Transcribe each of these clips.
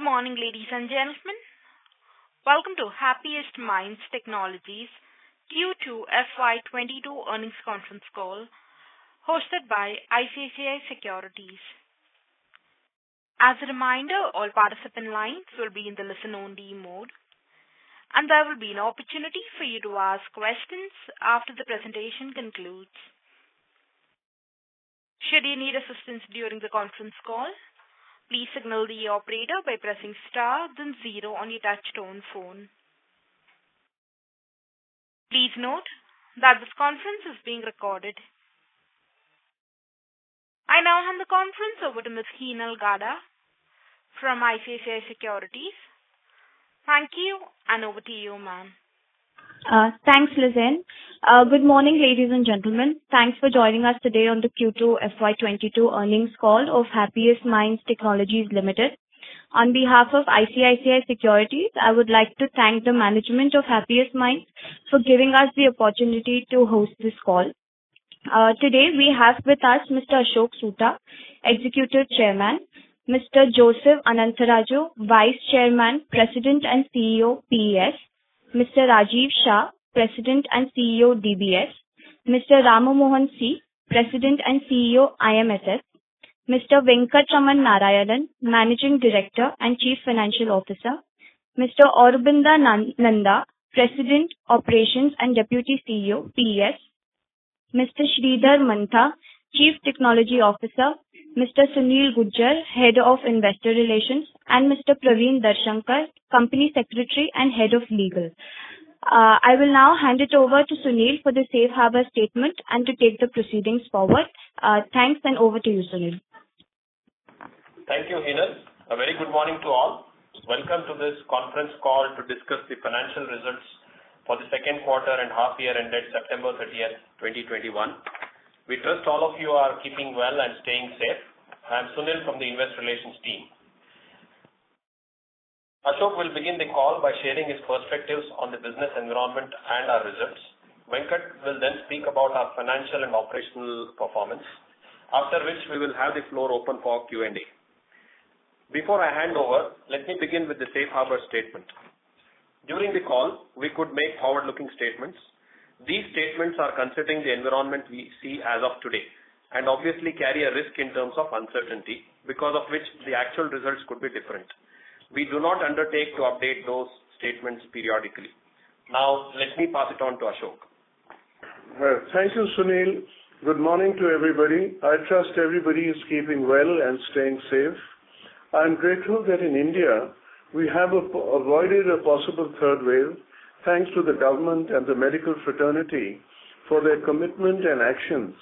Good morning, ladies and gentlemen. Welcome to Happiest Minds Technologies Q2 FY 2022 earnings conference call hosted by ICICI Securities. As a reminder, all participant lines will be in the listen only mode, and there will be an opportunity for you to ask questions after the presentation concludes. Should you need assistance during the conference call, please signal the operator by pressing star then zero on your touch tone phone. Please note that this conference is being recorded. I now hand the conference over to Ms. Heenal Gada from ICICI Securities. Thank you, and over to you, ma'am. Thanks, Lizanne. Good morning, ladies and gentlemen. Thanks for joining us today on the Q2 FY22 earnings call of Happiest Minds Technologies Limited. On behalf of ICICI Securities, I would like to thank the management of Happiest Minds for giving us the opportunity to host this call. Today we have with us Mr. Ashok Soota, Executive Chairman, Mr. Joseph Anantharaju, Vice Chairman, President and CEO, PES, Mr. Rajiv Shah, President and CEO, DBS, Mr. Ram Mohan C, President and CEO, IMSS, Mr. Venkatraman Narayanan, Managing Director and Chief Financial Officer, Mr. Aurobinda Nanda, President, Operations and Deputy CEO, PES, Mr. Sridhar Mantha, Chief Technology Officer, Mr. Sunil Gujjar, Head of Investor Relations, and Mr. Praveen Darshankar, Company Secretary and Head of Legal. I will now hand it over to Sunil for the safe harbor statement and to take the proceedings forward. Thanks, and over to you, Sunil. Thank you, Heenal. A very good morning to all. Welcome to this conference call to discuss the financial results for the Q2 and half year ended September 30, 2021. We trust all of you are keeping well and staying safe. I am Sunil from the investor relations team. Ashok will begin the call by sharing his perspectives on the business environment and our results. Venkat will then speak about our financial and operational performance, after which we will have the floor open for Q&A. Before I hand over, let me begin with the safe harbor statement. During the call, we could make forward-looking statements. These statements are considering the environment we see as of today, and obviously carry a risk in terms of uncertainty, because of which the actual results could be different. We do not undertake to update those statements periodically. Now, let me pass it on to Ashok. Thank you, Sunil. Good morning to everybody. I trust everybody is keeping well and staying safe. I am grateful that in India we have avoided a possible third wave, thanks to the government and the medical fraternity for their commitment and actions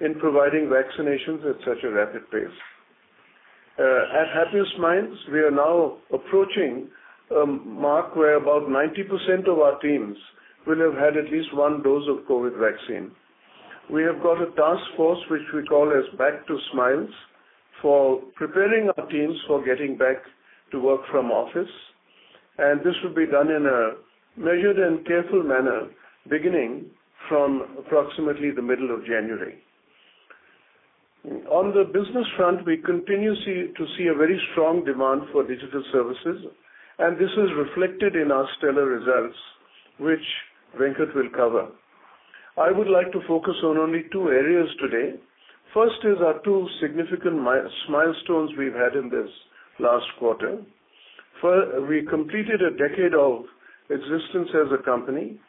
in providing vaccinations at such a rapid pace. At Happiest Minds, we are now approaching a mark where about 90% of our teams will have had at least one dose of COVID vaccine. We have got a task force which we call as Back to Smiles for preparing our teams for getting back to work from office, and this will be done in a measured and careful manner, beginning from approximately the middle of January. On the business front, we continue to see a very strong demand for digital services, and this is reflected in our stellar results, which Venkat will cover. I would like to focus on only two areas today. First is our two significant milestones we've had in this last quarter. We completed a decade of existence as a company.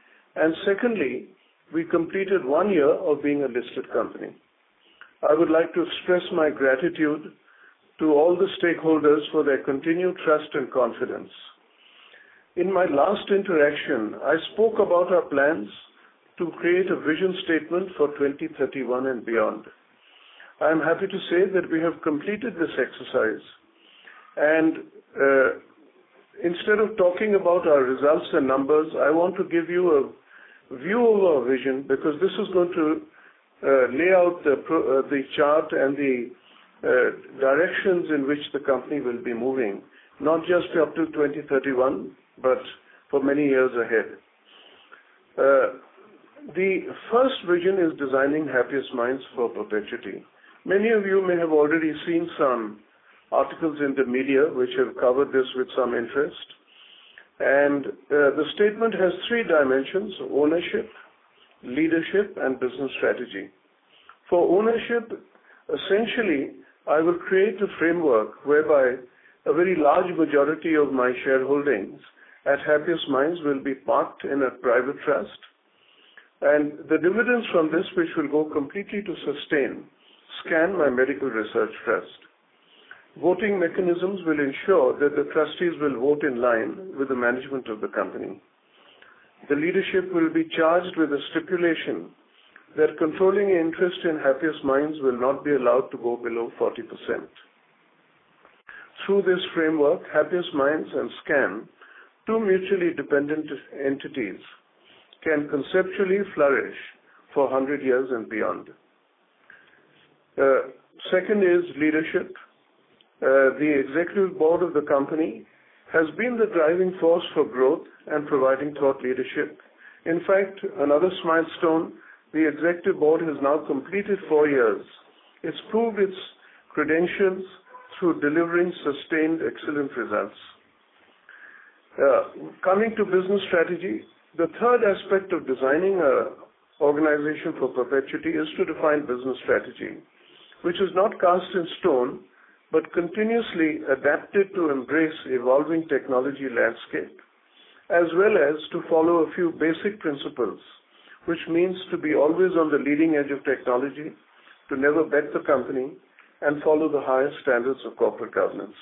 Secondly, we completed one year of being a listed company. I would like to express my gratitude to all the stakeholders for their continued trust and confidence. In my last interaction, I spoke about our plans to create a vision statement for 2031 and beyond. I am happy to say that we have completed this exercise. Instead of talking about our results and numbers, I want to give you a view of our vision because this is going to lay out the chart and the directions in which the company will be moving, not just up to 2031, but for many years ahead. The first vision is designing Happiest Minds for perpetuity. Many of you may have already seen some articles in the media which have covered this with some interest. The statement has three dimensions, ownership, leadership, and business strategy. For ownership, essentially, I will create a framework whereby a very large majority of my shareholdings at Happiest Minds will be parked in a private trust. The dividends from this, which will go completely to sustain SKAN, my medical research trust. Voting mechanisms will ensure that the trustees will vote in line with the management of the company. The leadership will be charged with a stipulation that controlling interest in Happiest Minds will not be allowed to go below 40%. Through this framework, Happiest Minds and SKAN, two mutually dependent entities, can conceptually flourish for 100 years and beyond. Second is leadership. The Executive Board of the company has been the driving force for growth and providing thought leadership. In fact, another milestone, the Executive Board has now completed four years. It has proved its credentials through delivering sustained excellent results. Coming to business strategy, the third aspect of designing an organization for perpetuity is to define business strategy, which is not cast in stone, but continuously adapted to embrace evolving technology landscape. As well as to follow a few basic principles, which means to be always on the leading edge of technology, to never bet the company, and follow the highest standards of corporate governance.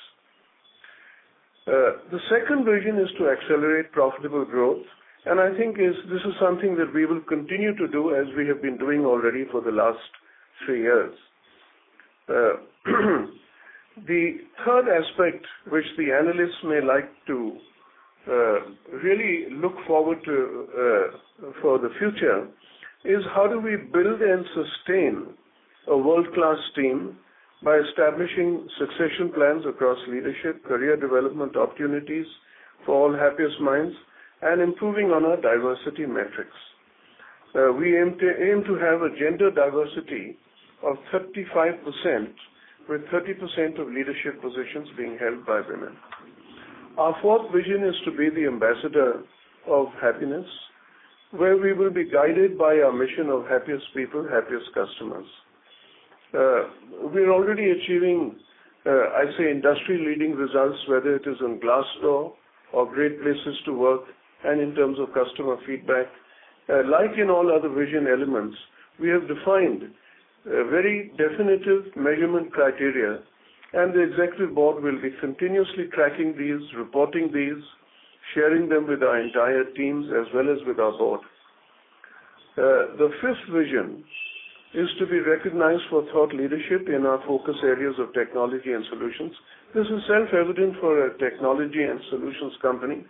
The second vision is to accelerate profitable growth, and I think this is something that we will continue to do as we have been doing already for the last three years. The third aspect which the analysts may like to really look forward to for the future is how do we build and sustain a world-class team by establishing succession plans across leadership, career development opportunities for all Happiest Minds, and improving on our diversity metrics. We aim to have a gender diversity of 35%, with 30% of leadership positions being held by women. Our fourth vision is to be the ambassador of happiness, where we will be guided by our mission of happiest people, happiest customers. We are already achieving, I'd say, industry-leading results, whether it is on Glassdoor or Great Place to Work and in terms of customer feedback. Like in all other vision elements, we have defined a very definitive measurement criteria, and the Executive Board will be continuously tracking these, reporting these, sharing them with our entire teams as well as with our board. The fifth vision is to be recognized for thought leadership in our focus areas of technology and solutions. This is self-evident for a technology and solutions company,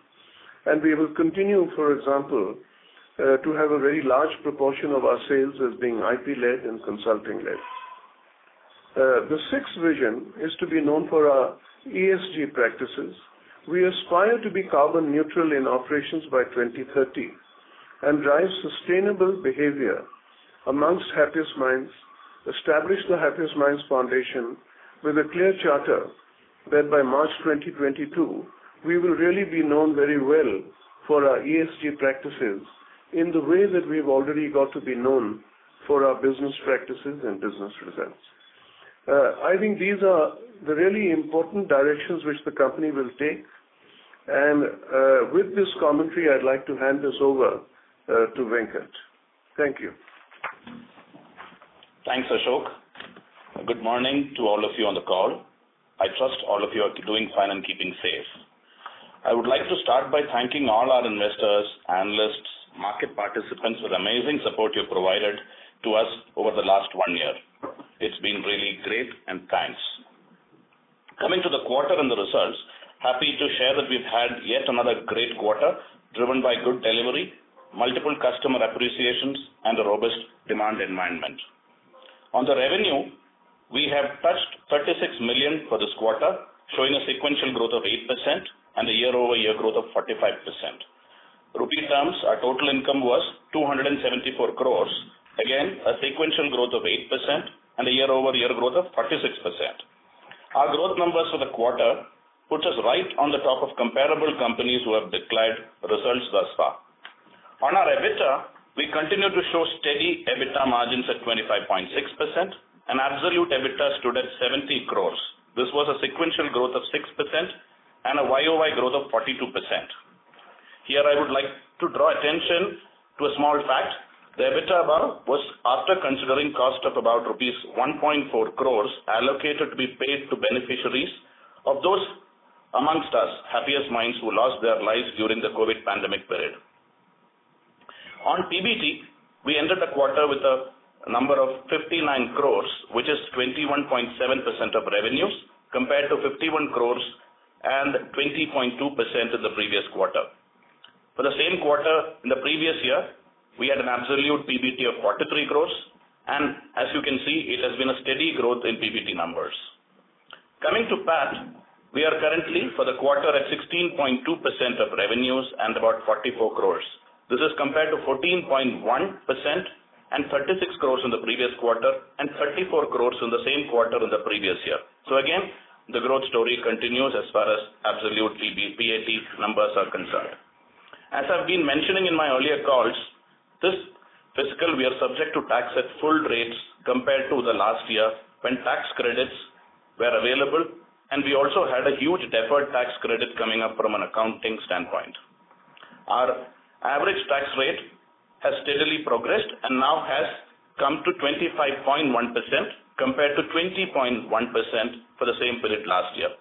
and we will continue, for example, to have a very large proportion of our sales as being IP-led and consulting-led. The sixth vision is to be known for our ESG practices. We aspire to be carbon neutral in operations by 2030, and drive sustainable behavior amongst Happiest Minds, establish the Happiest Minds Foundation with a clear charter that by March 2022 we will really be known very well for our ESG practices in the way that we've already got to be known for our business practices and business results. I think these are the really important directions which the company will take. With this commentary, I'd like to hand this over to Venkat. Thank you. Thanks, Ashok. Good morning to all of you on the call. I trust all of you are doing fine and keeping safe. I would like to start by thanking all our investors, analysts, market participants for the amazing support you've provided to us over the last 1 year. It's been really great, and thanks. Coming to the quarter and the results, happy to share that we've had yet another great quarter driven by good delivery, multiple customer appreciations and a robust demand environment. On the revenue, we have touched $36 million for this quarter, showing a sequential growth of 8% and a year-over-year growth of 45%. In rupee terms, our total income was 274 crores. Again, a sequential growth of 8% and a year-over-year growth of 46%. Our growth numbers for the quarter put us right on the top of comparable companies who have declared results thus far. On our EBITDA, we continue to show steady EBITDA margins at 25.6%, and absolute EBITDA stood at 70 crore. This was a sequential growth of 6% and a Y-o-Y growth of 42%. Here I would like to draw attention to a small fact. The EBITDA was after considering cost of about rupees 1.4 crore allocated to be paid to beneficiaries of those amongst us Happiest Minds who lost their lives during the COVID pandemic period. On PBT, we ended the quarter with a number of 59 crore, which is 21.7% of revenues compared to 51 crore and 20.2% in the previous quarter. For the same quarter in the previous year, we had an absolute PBT of 43 crore. As you can see, it has been a steady growth in PBT numbers. Coming to PAT, we are currently for the quarter at 16.2% of revenues and about 44 crore. This is compared to 14.1% and 36 crore in the previous quarter and 34 crore in the same quarter in the previous year. The growth story continues as far as absolute PAT numbers are concerned. As I've been mentioning in my earlier calls, this fiscal we are subject to tax at full rates compared to the last year when tax credits were available, and we also had a huge deferred tax credit coming up from an accounting standpoint. Our average tax rate has steadily progressed and now has come to 25.1% compared to 20.1% for the same period last year.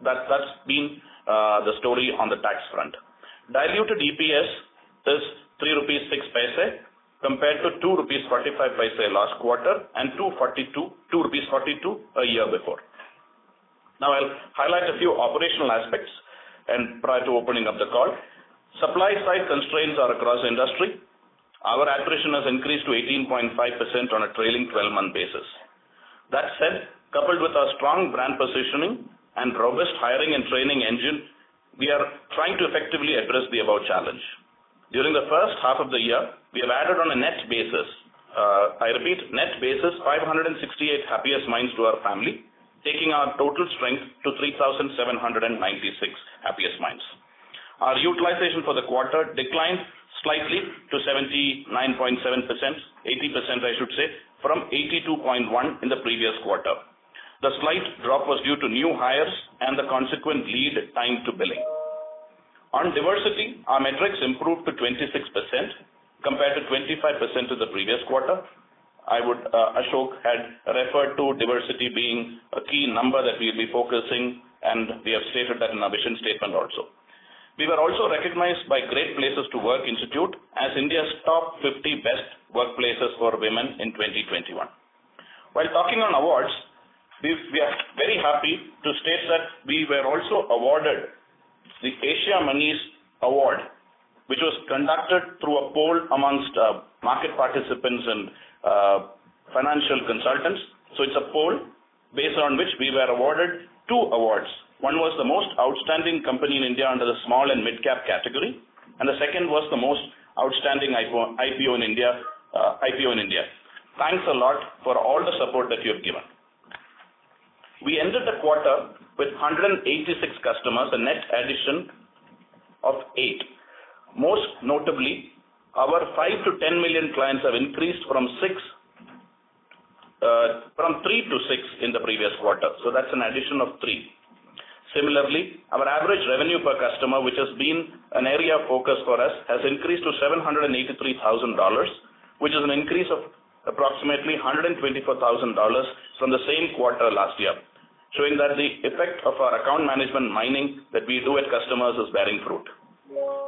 That's been the story on the tax front. Diluted EPS is 3.06 rupees compared to 2.45 rupees last quarter, and 2.42 rupees a year before. Now I'll highlight a few operational aspects prior to opening up the call. Supply side constraints are across industry. Our attrition has increased to 18.5% on a trailing twelve-month basis. That said, coupled with our strong brand positioning and robust hiring and training engine, we are trying to effectively address the above challenge. During the first half of the year, we have added on a net basis 568 Happiest Minds to our family, taking our total strength to 3,796 Happiest Minds. Our utilization for the quarter declined slightly to 79.7%, 80% I should say, from 82.1% in the previous quarter. The slight drop was due to new hires and the consequent lead time to billing. On diversity, our metrics improved to 26% compared to 25% of the previous quarter. Ashok had referred to diversity being a key number that we'll be focusing, and we have stated that in our mission statement also. We were also recognized by Great Place to Work Institute as India's top 50 best workplaces for women in 2021. While talking on awards, we are very happy to state that we were also awarded the Asiamoney's Award, which was conducted through a poll among market participants and financial consultants. It's a poll based on which we were awarded two awards. One was the most outstanding company in India under the small and midcap category, and the second was the most outstanding IPO in India. Thanks a lot for all the support that you have given. We ended the quarter with 186 customers, a net addition of eight. Most notably, our 5-10 million clients have increased from three to six in the previous quarter, so that's an addition of three. Similarly, our average revenue per customer, which has been an area of focus for us, has increased to $783,000, which is an increase of approximately $124,000 from the same quarter last year, showing that the effect of our account management mining that we do with customers is bearing fruit.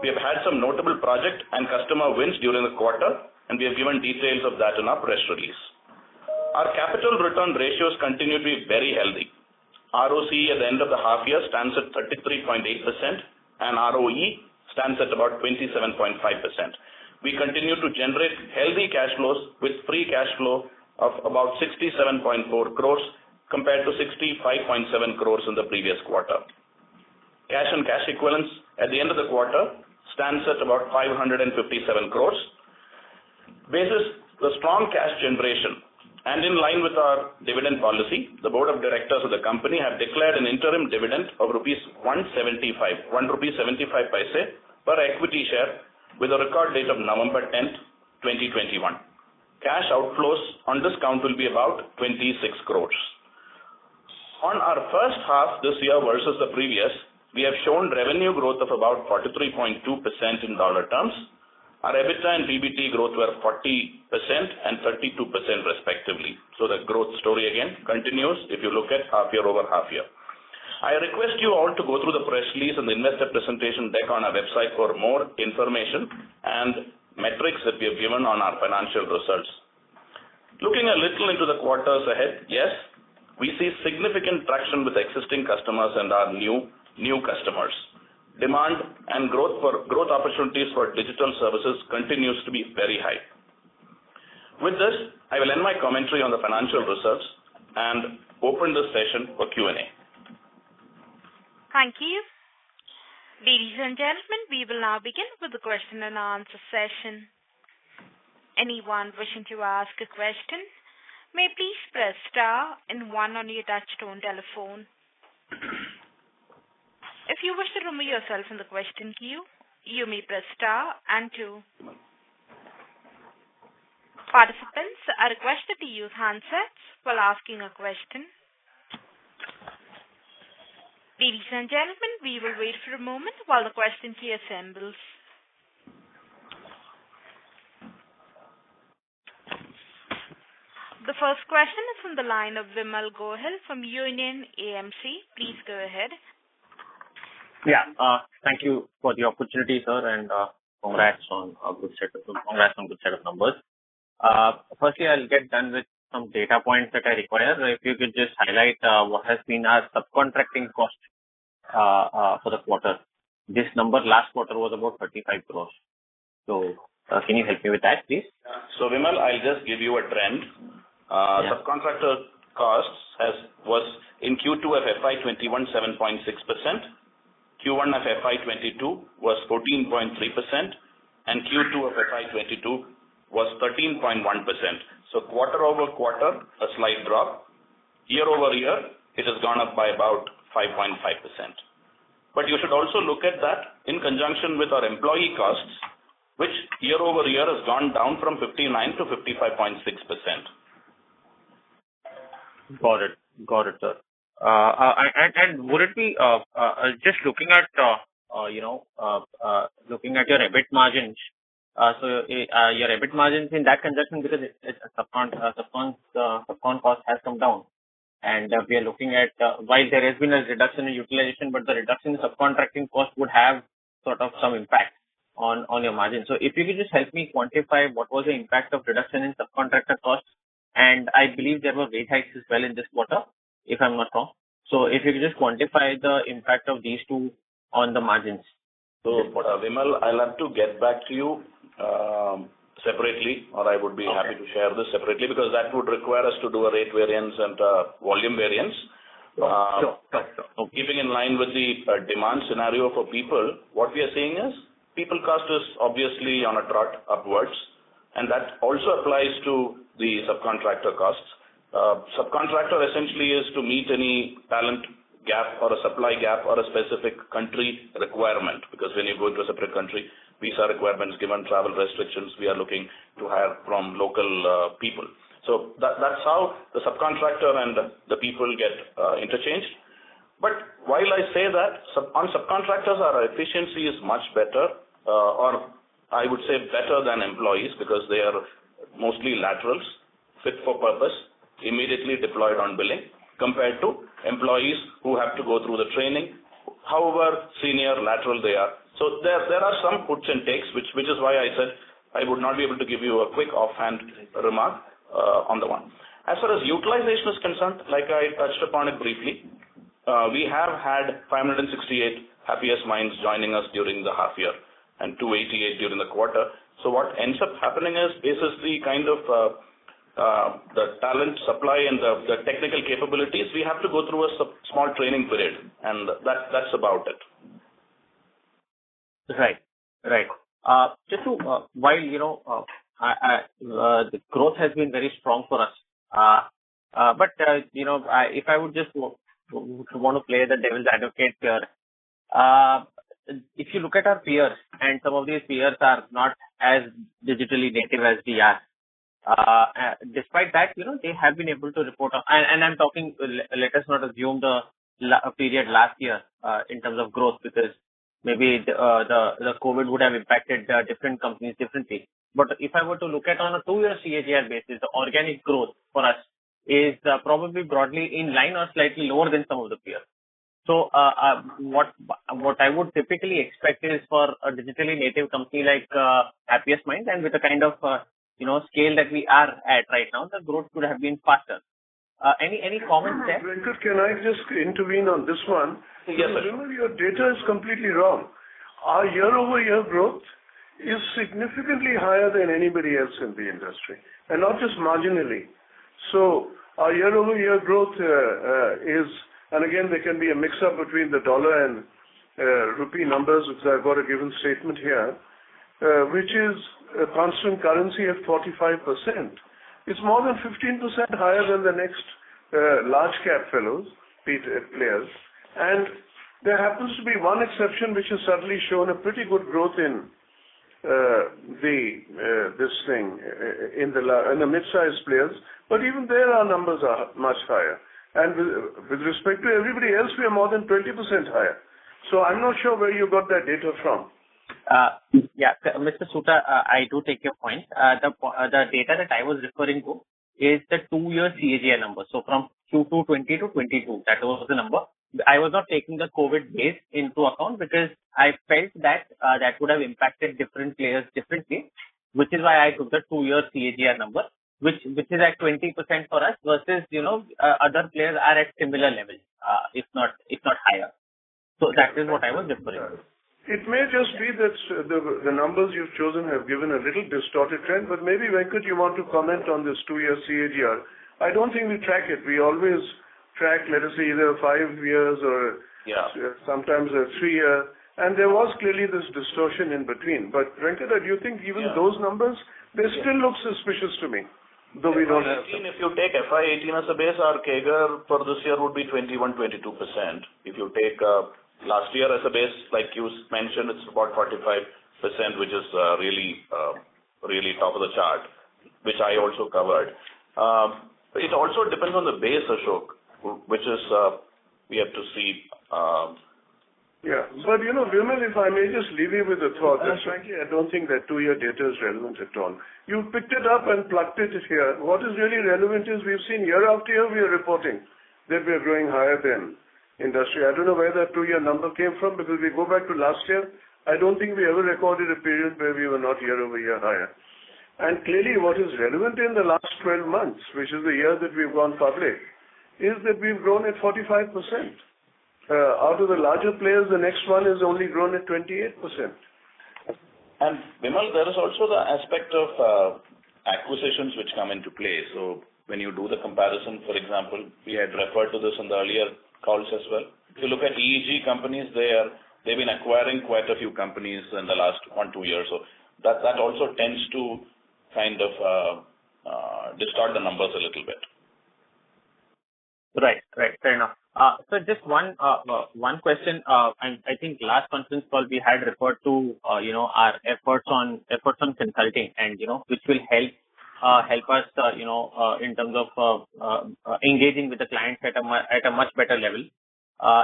We have had some notable project and customer wins during the quarter, and we have given details of that in our press release. Our capital return ratios continue to be very healthy. ROC at the end of the half year stands at 33.8% and ROE stands at about 27.5%. We continue to generate healthy cash flows with free cash flow of about 67.4 crores compared to 65.7 crores in the previous quarter. Cash and cash equivalents at the end of the quarter stands at about 557 crore. Basis the strong cash generation and in line with our dividend policy, the board of directors of the company have declared an interim dividend of 1.75 rupees per equity share with a record date of November 10, 2021. Cash outflows on this count will be about 26 crore. On our first half this year versus the previous, we have shown revenue growth of about 43.2% in dollar terms. Our EBITDA and PBT growth were 40% and 32% respectively. The growth story again continues if you look at half year over half year. I request you all to go through the press release and the investor presentation deck on our website for more information and metrics that we have given on our financial results. Looking a little into the quarters ahead, yes, we see significant traction with existing customers and our new customers. Demand and growth for growth opportunities for digital services continues to be very high. With this, I will end my commentary on the financial results and open the session for Q&A. Thank you. Ladies and gentlemen, we will now begin with the question and answer session. Anyone wishing to ask a question may please press star and one on your touch tone telephone. If you wish to remove yourself from the question queue, you may press star and two. Participants are requested to use handsets while asking a question. Ladies and gentlemen, we will wait for a moment while the question queue assembles. The first question is from the line of Vimal Gohil from Union AMC. Please go ahead. Yeah. Thank you for the opportunity, sir, and congrats on good set of numbers. Firstly, I'll get done with some data points that I require. If you could just highlight what has been our subcontracting cost for the quarter? This number last quarter was about 35 crore. Can you help me with that, please? Vimal, I'll just give you a trend. Yeah. Subcontractor costs was in Q2 of FY 2021, 7.6%. Q1 of FY 2022 was 14.3%, and Q2 of FY 2022 was 13.1%. Quarter-over-quarter, a slight drop. Year-over-year, it has gone up by about 5.5%. You should also look at that in conjunction with our employee costs, which year-over-year has gone down from 59 to 55.6%. Got it, sir. Would it be just looking at, you know, your EBIT margins in that connection because subcon cost has come down. We are looking at while there has been a reduction in utilization, but the reduction in subcontracting cost would have sort of some impact on your margins. If you could just help me quantify what was the impact of reduction in subcontractor costs. I believe there were rate hikes as well in this quarter, if I'm not wrong. If you could just quantify the impact of these two on the margins. Vimal, I'll have to get back to you separately, or I would be happy to share this separately, because that would require us to do a rate variance and a volume variance. Keeping in line with the demand scenario for people, what we are seeing is people cost is obviously on a trot upwards, and that also applies to the subcontractor costs. Subcontractor essentially is to meet any talent gap or a supply gap or a specific country requirement, because when you go into a separate country, visa requirements, given travel restrictions, we are looking to hire from local people. That's how the subcontractor and the people get interchanged. While I say that, on subcontractors our efficiency is much better, or I would say better than employees because they are mostly laterals fit for purpose, immediately deployed on billing, compared to employees who have to go through the training however senior lateral they are. There are some puts and takes, which is why I said I would not be able to give you a quick offhand remark on the one. As far as utilization is concerned, like I touched upon it briefly, we have had 568 Happiest Minds joining us during the half year and 288 during the quarter. What ends up happening is basically the talent supply and the technical capabilities, we have to go through a small training period, and that's about it. While you know, the growth has been very strong for us. You know, if I would just want to play the devil's advocate here. If you look at our peers, and some of these peers are not as digitally native as we are, despite that, you know, they have been able to report, and I'm talking, let us not assume the period last year in terms of growth, because maybe the COVID would have impacted different companies differently. If I were to look at, on a two-year CAGR basis, the organic growth for us is probably broadly in line or slightly lower than some of the peers. What I would typically expect is for a digitally native company like Happiest Minds, and with the kind of, you know, scale that we are at right now, the growth could have been faster. Any comments there? Venkat, can I just intervene on this one? Yes, sir. Vimal, your data is completely wrong. Our year-over-year growth is significantly higher than anybody else in the industry, and not just marginally. Again, there can be a mix-up between the dollar and rupee numbers, which I've given a statement here, which is a constant currency of 45%. It's more than 15% higher than the next large-cap fellows, players. There happens to be one exception which has certainly shown a pretty good growth in the mid-size players. Even there, our numbers are much higher. With respect to everybody else, we are more than 20% higher. I'm not sure where you got that data from. Yeah. Mr. Soota, I do take your point. The data that I was referring to is the two-year CAGR number. From 2020 to 2022, that was the number. I was not taking the COVID base into account because I felt that that would have impacted different players differently, which is why I took the two-year CAGR number, which is at 20% for us versus, you know, other players are at similar level, if not higher. That is what I was referring to. It may just be that the numbers you've chosen have given a little distorted trend, but maybe, Venkat, you want to comment on this two-year CAGR. I don't think we track it. We always track, let us say, either five years or- Yeah. Sometimes a three-year. There was clearly this distortion in between. Venkat, do you think even those numbers, they still look suspicious to me, though we don't have. If you take FY 2018 as a base, our CAGR for this year would be 21%-22%. If you take last year as a base, like you mentioned, it's about 45%, which is really top of the chart, which I also covered. It also depends on the base, Ashok, which is we have to see. Yeah. You know, Vimal, if I may just leave you with a thought. Frankly, I don't think that two-year data is relevant at all. You picked it up and plucked it here. What is really relevant is we've seen year after year we are reporting that we are growing higher than industry. I don't know where that two-year number came from because we go back to last year. I don't think we ever recorded a period where we were not year-over-year higher. Clearly, what is relevant in the last 12 months, which is the year that we've gone public, is that we've grown at 45%. Out of the larger players, the next one has only grown at 28%. Vimal, there is also the aspect of acquisitions which come into play. When you do the comparison, for example, we had referred to this in the earlier calls as well. If you look at peer companies, they've been acquiring quite a few companies in the last 1-2 years. That also tends to kind of distort the numbers a little bit. Right. Fair enough. One question. I think last conference call we had referred to, you know, our efforts on consulting and, you know, which will help us, you know, in terms of engaging with the clients at a much better level.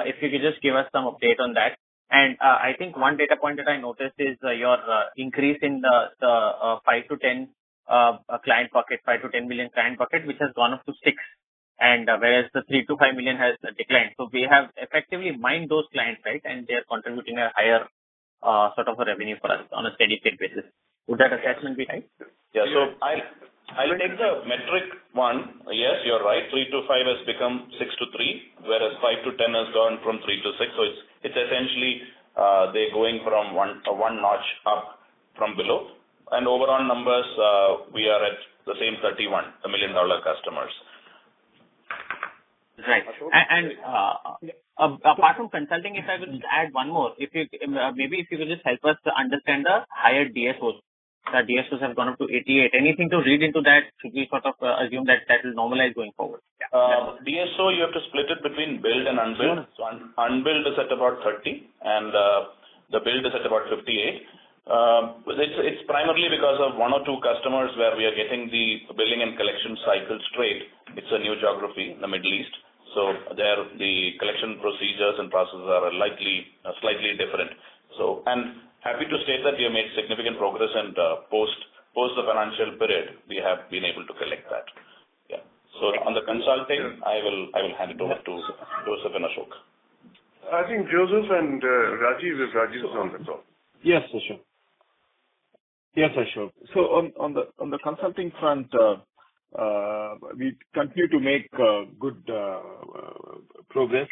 If you could just give us some update on that. I think one data point that I noticed is your increase in the 5-10 client pocket, $5 million-$10 million client pocket, which has gone up to six. Whereas the $3 million-$5 million has declined. We have effectively mined those clients, right, and they are contributing a higher sort of a revenue for us on a steady-state basis. Would that assessment be right? Yeah. I'll take the metric one. Yes, you're right. 3-5 has become 6-3, whereas 5-10 has gone from 3-6. It's essentially they're going from one notch up from below. Overall numbers, we are at the same $31 million customers. Right. Apart from consulting, if I will add one more. Maybe if you will just help us to understand the higher DSOs. The DSOs have gone up to 88. Anything to read into that? Should we assume that will normalize going forward? DSO, you have to split it between build and unbuild. Sure. Unbilled is at about 30, and the billed is at about 58. It's primarily because of one or two customers where we are getting the billing and collection cycles straight. It's a new geography in the Middle East, so there the collection procedures and processes are likely slightly different. I'm happy to state that we have made significant progress and, post the financial period we have been able to collect that. On the consulting, I will hand it over to Joseph and Ashok. I think Joseph and Rajiv. Rajiv is on the call. Yes, Ashok. On the consulting front, we continue to make good progress.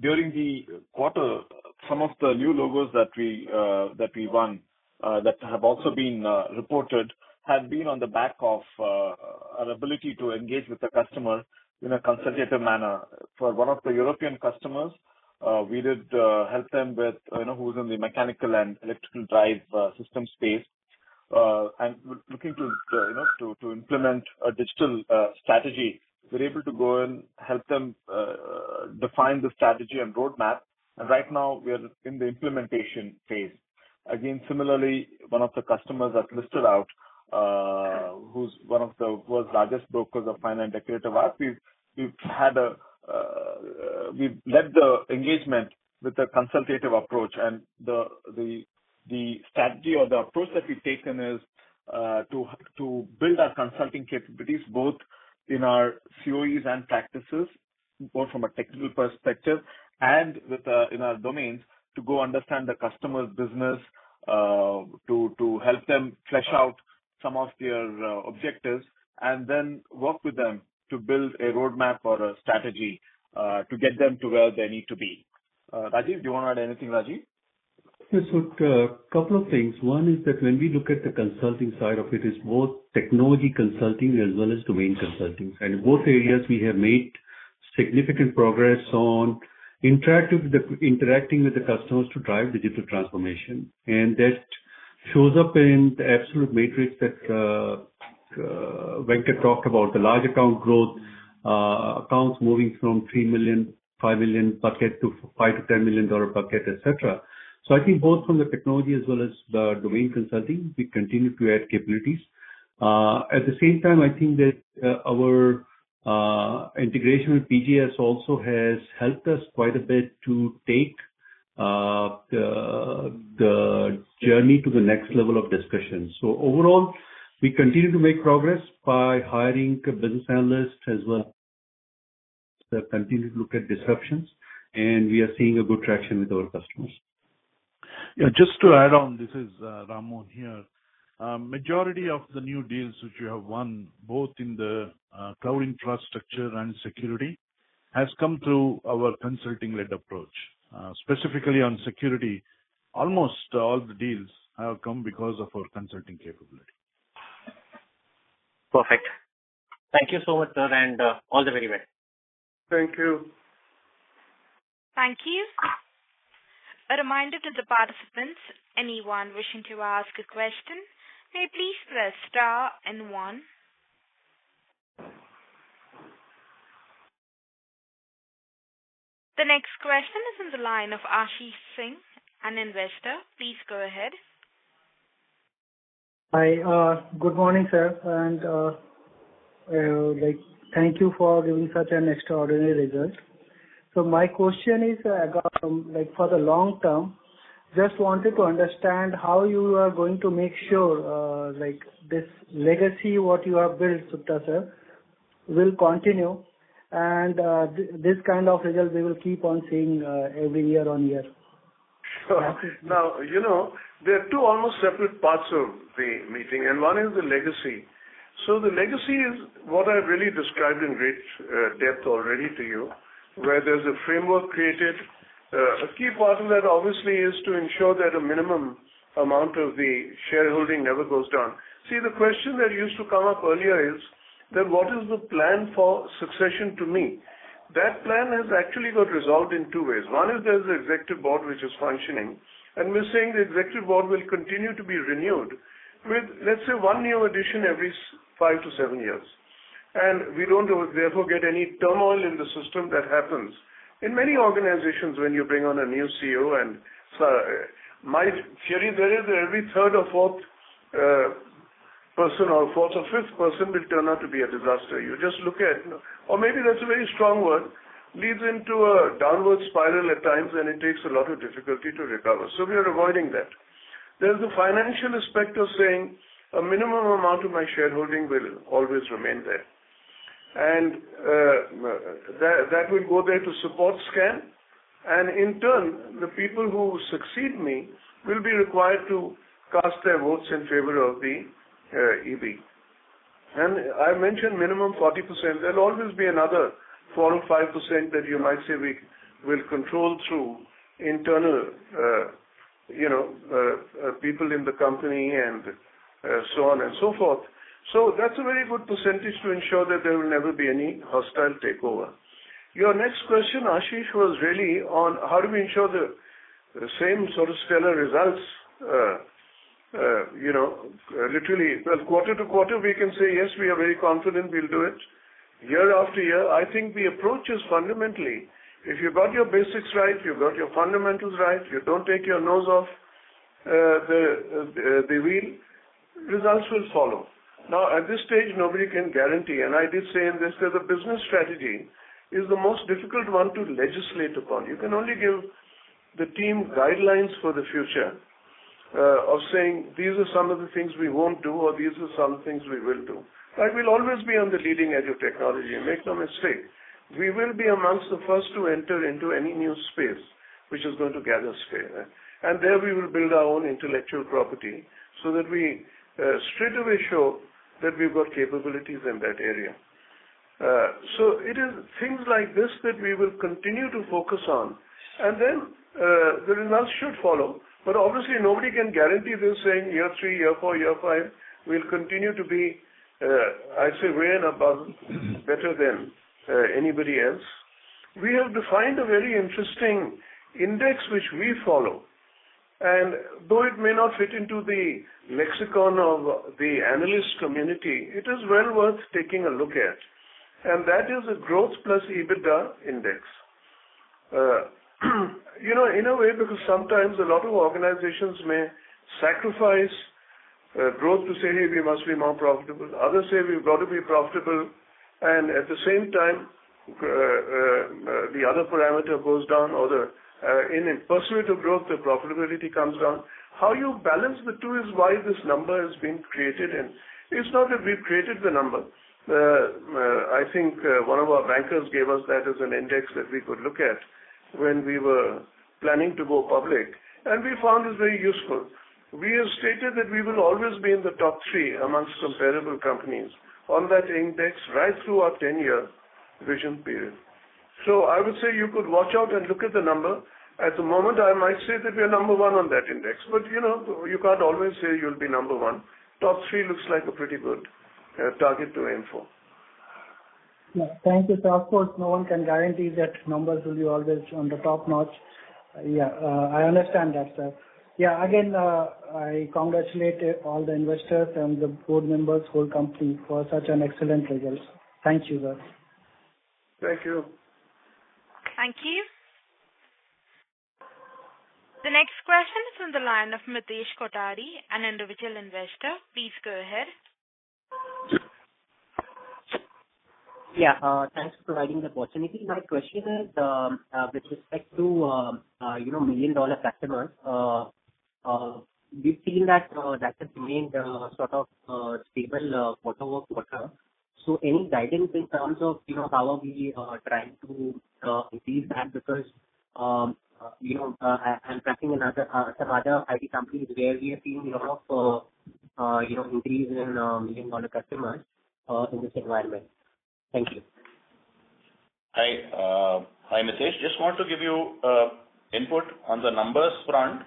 During the quarter, some of the new logos that we won that have also been reported have been on the back of our ability to engage with the customer in a consultative manner. For one of the European customers, we did help them with, you know, who's in the mechanical and electrical drive system space and looking to, you know, to implement a digital strategy. We're able to go and help them define the strategy and roadmap, and right now we are in the implementation phase. Again, similarly, one of the customers I've listed out, who's one of the world's largest brokers of fine and decorative art, we've led the engagement with a consultative approach. The strategy or the approach that we've taken is to build our consulting capabilities both in our COEs and practices, both from a technical perspective and within our domains, to go understand the customer's business, to help them flesh out some of their objectives and then work with them to build a roadmap or a strategy to get them to where they need to be. Rajiv, do you wanna add anything, Rajiv? Yes. Look, a couple of things. One is that when we look at the consulting side of it's both technology consulting as well as domain consulting. Both areas we have made significant progress on interacting with the customers to drive digital transformation. That shows up in the absolute metrics that Venkat talked about the large account growth, accounts moving from $3 million, $5 million bucket to $5-$10 million dollar bucket, et cetera. I think both from the technology as well as the domain consulting, we continue to add capabilities. At the same time, I think that our integration with BGS also has helped us quite a bit to take the journey to the next level of discussion. Overall, we continue to make progress by hiring business analysts as well that continue to look at disruptions, and we are seeing a good traction with our customers. Yeah, just to add on, this is Ram Mohan. Majority of the new deals which we have won both in the cloud infrastructure and security has come through our consulting-led approach. Specifically on security, almost all the deals have come because of our consulting capability. Perfect. Thank you so much, sir, and all the very best. Thank you. Thank you. A reminder to the participants, anyone wishing to ask a question, may please press star and one. The next question is in the line of Ashish Singh, an investor. Please go ahead. Hi. Good morning, sir, and like thank you for giving such an extraordinary result. My question is, like for the long term, just wanted to understand how you are going to make sure, like this legacy, what you have built, Soota sir, will continue and, this kind of results we will keep on seeing, every year on year. Now, you know, there are two almost separate parts of the meeting, and one is the legacy. The legacy is what I really described in great depth already to you, where there's a framework created. A key part of that obviously is to ensure that a minimum amount of the shareholding never goes down. See, the question that used to come up earlier is that what is the plan for succession to me? That plan has actually got resolved in two ways. One is there's a executive board which is functioning, and we're saying the executive board will continue to be renewed with, let's say, one new addition every five to seven years. We don't therefore get any turmoil in the system that happens. In many organizations when you bring on a new CEO, my theory there is every third or fourth person or fourth or fifth person will turn out to be a disaster. Maybe that's a very strong word, leads into a downward spiral at times, and it takes a lot of difficulty to recover. We are avoiding that. There's the financial aspect of saying a minimum amount of my shareholding will always remain there. That will go there to support SKAN. In turn, the people who succeed me will be required to cast their votes in favor of the EB. I mentioned minimum 40%. There'll always be another 4 or 5% that you might say we will control through internal, you know, people in the company and so on and so forth. That's a very good percentage to ensure that there will never be any hostile takeover. Your next question, Ashish, was really on how do we ensure the same sort of stellar results, you know, literally quarter to quarter, we can say, yes, we are very confident we'll do it. Year after year, I think the approach is fundamentally, if you've got your basics right, you've got your fundamentals right, you don't take your nose off, the wheel, results will follow. Now, at this stage, nobody can guarantee. I did say in this case, the business strategy is the most difficult one to legislate upon. You can only give the team guidelines for the future, of saying, "These are some of the things we won't do or these are some things we will do." I will always be on the leading edge of technology. Make no mistake, we will be among the first to enter into any new space which is going to gather scale. There we will build our own intellectual property so that we straightaway show that we've got capabilities in that area. It is things like this that we will continue to focus on, and then the results should follow. Obviously, nobody can guarantee this saying year three, year four, year five, we'll continue to be, I say way and above better than anybody else. We have defined a very interesting index which we follow. Though it may not fit into the lexicon of the analyst community, it is well worth taking a look at. That is a growth plus EBITDA index. You know, in a way, because sometimes a lot of organizations may sacrifice growth to say, "Hey, we must be more profitable." Others say, "We've got to be profitable." At the same time, the other parameter goes down. In pursuit of growth, the profitability comes down. How you balance the two is why this number has been created, and it's not that we've created the number. I think one of our bankers gave us that as an index that we could look at when we were planning to go public, and we found this very useful. We have stated that we will always be in the top three amongst comparable companies on that index right through our ten-year vision period. I would say you could watch out and look at the number. At the moment, I might say that we are number one on that index, but you know, you can't always say you'll be number one. Top three looks like a pretty good target to aim for. Yeah. Thank you, sir. Of course, no one can guarantee that numbers will be always on the top-notch. Yeah, I understand that, sir. Yeah. Again, I congratulate all the investors and the board members, whole company for such an excellent results. Thank you, sir. Thank you. Thank you. The next question is on the line of Mitesh Kothari, an individual investor. Please go ahead. Yeah. Thanks for providing the opportunity. My question is, with respect to, you know, million-dollar customers, we've seen that that has remained sort of stable quarter-over-quarter. Any guidance in terms of, you know, how are we trying to increase that? Because, you know, I'm tracking some other IT companies where we have seen a lot of, you know, increase in million-dollar customers, in this environment. Thank you. Hi. Hi, Mitesh. Just want to give you input on the numbers front.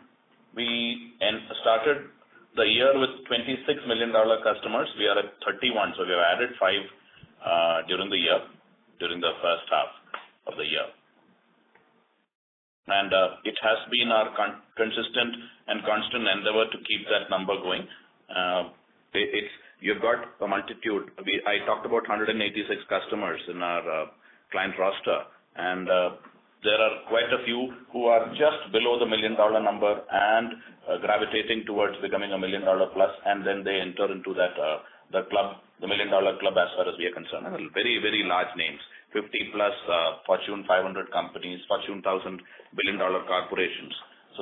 We started the year with 26 million-dollar customers. We are at 31, so we have added five during the year, during the H1 of the year. It has been our consistent and constant endeavor to keep that number going. It's. You've got a multitude. I talked about 186 customers in our client roster, and there are quite a few who are just below the million-dollar number and gravitating towards becoming a million-dollar plus, and then they enter into that club, the million-dollar club, as far as we are concerned. Very, very large names. 50+ Fortune 500 companies, Fortune 1000 billion-dollar corporations.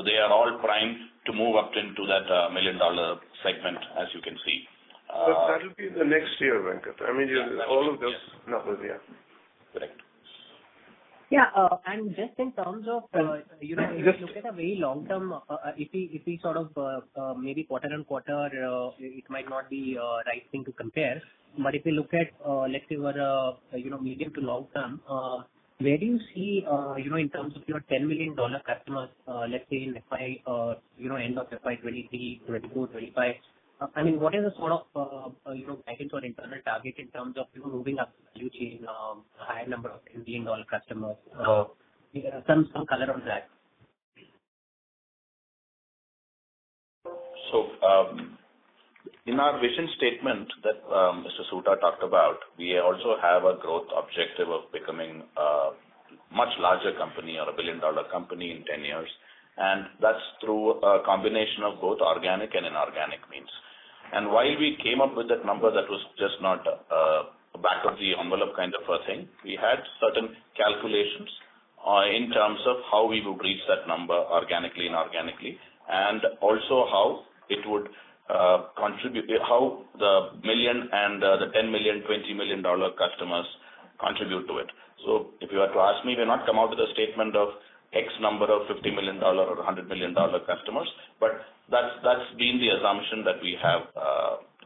They are all primed to move up into that million-dollar segment, as you can see. that will be the next year, Venkat. I mean, all of those numbers. Yeah. Correct. Yeah. Just in terms of, you know, if you look at a very long term, if we sort of, maybe quarter and quarter, it might not be right thing to compare. If you look at, let's say over, you know, medium to long term, where do you see, you know, in terms of your $10 million customers, let's say in FY or, you know, end of FY 2023, 2022, 2025. I mean, what is the sort of, you know, guidance or internal target in terms of, you know, moving up the value chain, higher number of $1 million customers? Some color on that. In our vision statement that Mr. Soota talked about, we also have a growth objective of becoming a much larger company or a billion-dollar company in 10 years. That's through a combination of both organic and inorganic means. While we came up with that number, that was just not a back of the envelope kind of a thing. We had certain calculations in terms of how we would reach that number organically and inorganically, and also how it would contribute. How the $1 million and the $10 million, $20 million dollar customers contribute to it. If you are to ask me, we'll not come out with a statement of X number of $50 million dollar or a $100 million dollar customers. That's been the assumption that we have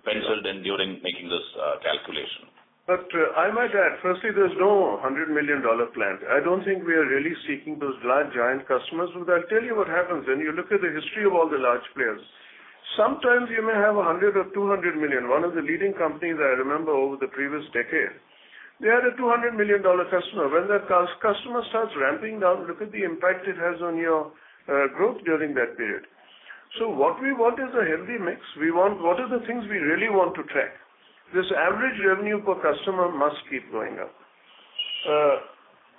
penciled in during making this calculation. I might add, firstly, there's no $100 million plan. I don't think we are really seeking those large giant customers. I'll tell you what happens when you look at the history of all the large players. Sometimes you may have $100 million or $200 million. One of the leading companies I remember over the previous decade, they had a $200 million customer. When that customer starts ramping down, look at the impact it has on your growth during that period. What we want is a healthy mix. We want. What are the things we really want to track? This average revenue per customer must keep going up.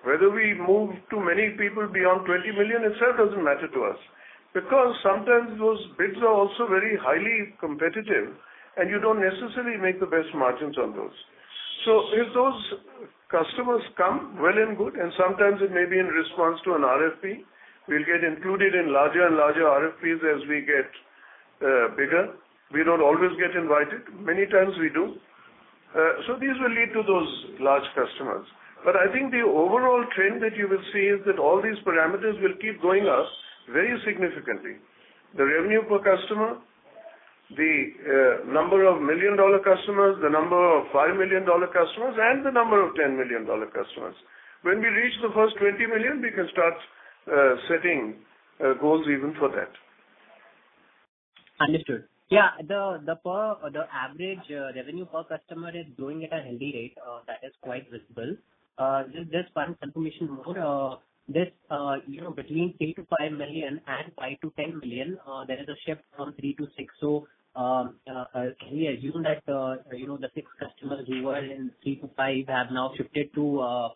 Whether we move too many people beyond $20 million itself doesn't matter to us, because sometimes those bids are also very highly competitive, and you don't necessarily make the best margins on those. If those customers come, well and good, and sometimes it may be in response to an RFP. We'll get included in larger and larger RFPs as we get bigger. We don't always get invited. Many times we do. These will lead to those large customers. I think the overall trend that you will see is that all these parameters will keep growing us very significantly, the revenue per customer, the number of $1 million customers, the number of $5 million customers, and the number of $10 million customers. When we reach the first $20 million, we can start setting goals even for that. Understood. The average revenue per customer is growing at a healthy rate that is quite visible. Just one confirmation more. This, you know, between $3 million-$5 million and $5 million-$10 million, there is a shift from 3-5. Can we assume that, you know, the 6 customers we were in 3-5 have now shifted to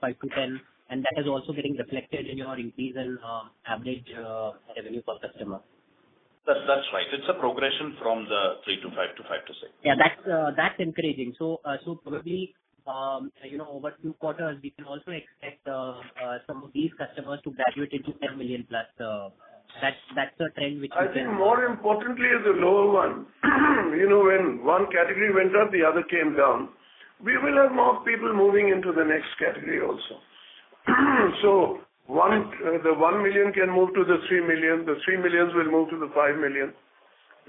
5-10, and that is also getting reflected in your increase in average revenue per customer? That's right. It's a progression from 3 to 5 to 5 to 6. Yeah, that's encouraging. Probably, you know, over two quarters we can also expect some of these customers to graduate into $10 million+. That's a trend which we can- I think more importantly is the lower one. You know, when one category went up, the other came down. We will have more people moving into the next category also. One, the 1 million can move to the 3 million. The 3 millions will move to the 5 million.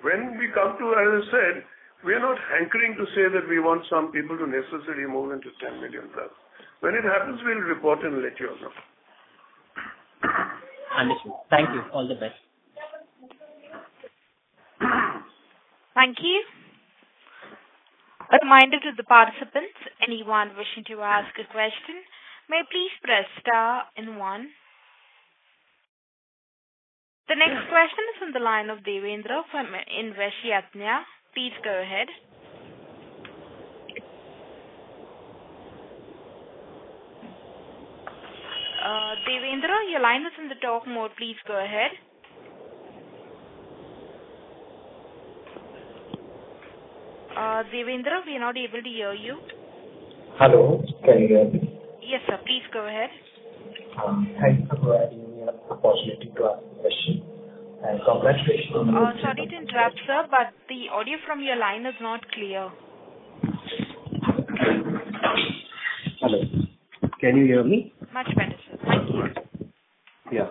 When we come to, as I said, we are not hankering to say that we want some people to necessarily move into 10 million plus. When it happens, we'll report and let you all know. Understood. Thank you. All the best. Thank you. A reminder to the participants. Anyone wishing to ask a question may please press star and one. The next question is from the line of Devendra from Invest Yadnya. Please go ahead. Devendra, your line is in the talk mode. Please go ahead. Devendra, we are not able to hear you. Hello. Can you hear me? Yes, sir. Please go ahead. Thank you for providing me an opportunity to ask a question. Congratulations on- Sorry to interrupt, sir, but the audio from your line is not clear. Hello. Can you hear me? Much better, sir. Thank you. Yeah.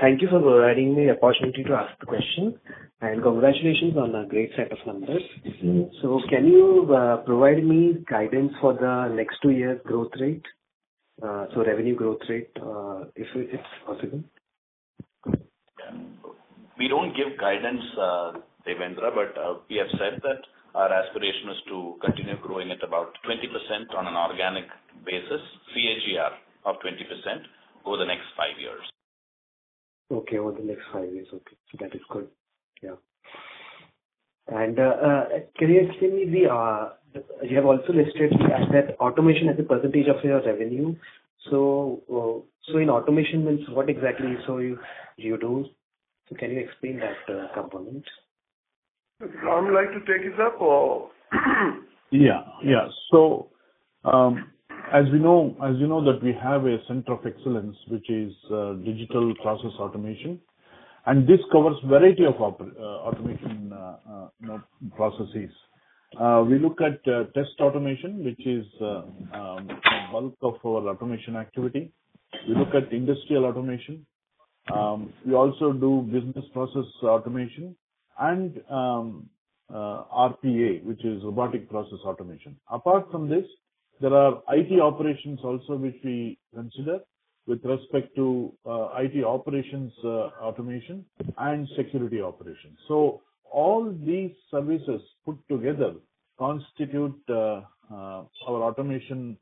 Thank you for providing me opportunity to ask the question, and congratulations on a great set of numbers. Can you provide me guidance for the next two years' growth rate? Revenue growth rate, if it's possible. We don't give guidance, Devendra, but we have said that our aspiration is to continue growing at about 20% on an organic basis, CAGR of 20% over the next 5 years. Okay. Over the next five years. Okay. That is good. Yeah. Can you explain me the automation. You have also listed that automation as a percentage of your revenue. In automation means what exactly so you do? Can you explain that component? Ram, you'd like to take this up or? As we know, as you know that we have a center of excellence, which is digital process automation, and this covers variety of automation, you know, processes. We look at test automation, which is bulk of our automation activity. We look at industrial automation. We also do business process automation and RPA, which is robotic process automation. Apart from this, there are IT operations also which we consider with respect to IT operations automation and security operations. All these services put together constitute our automation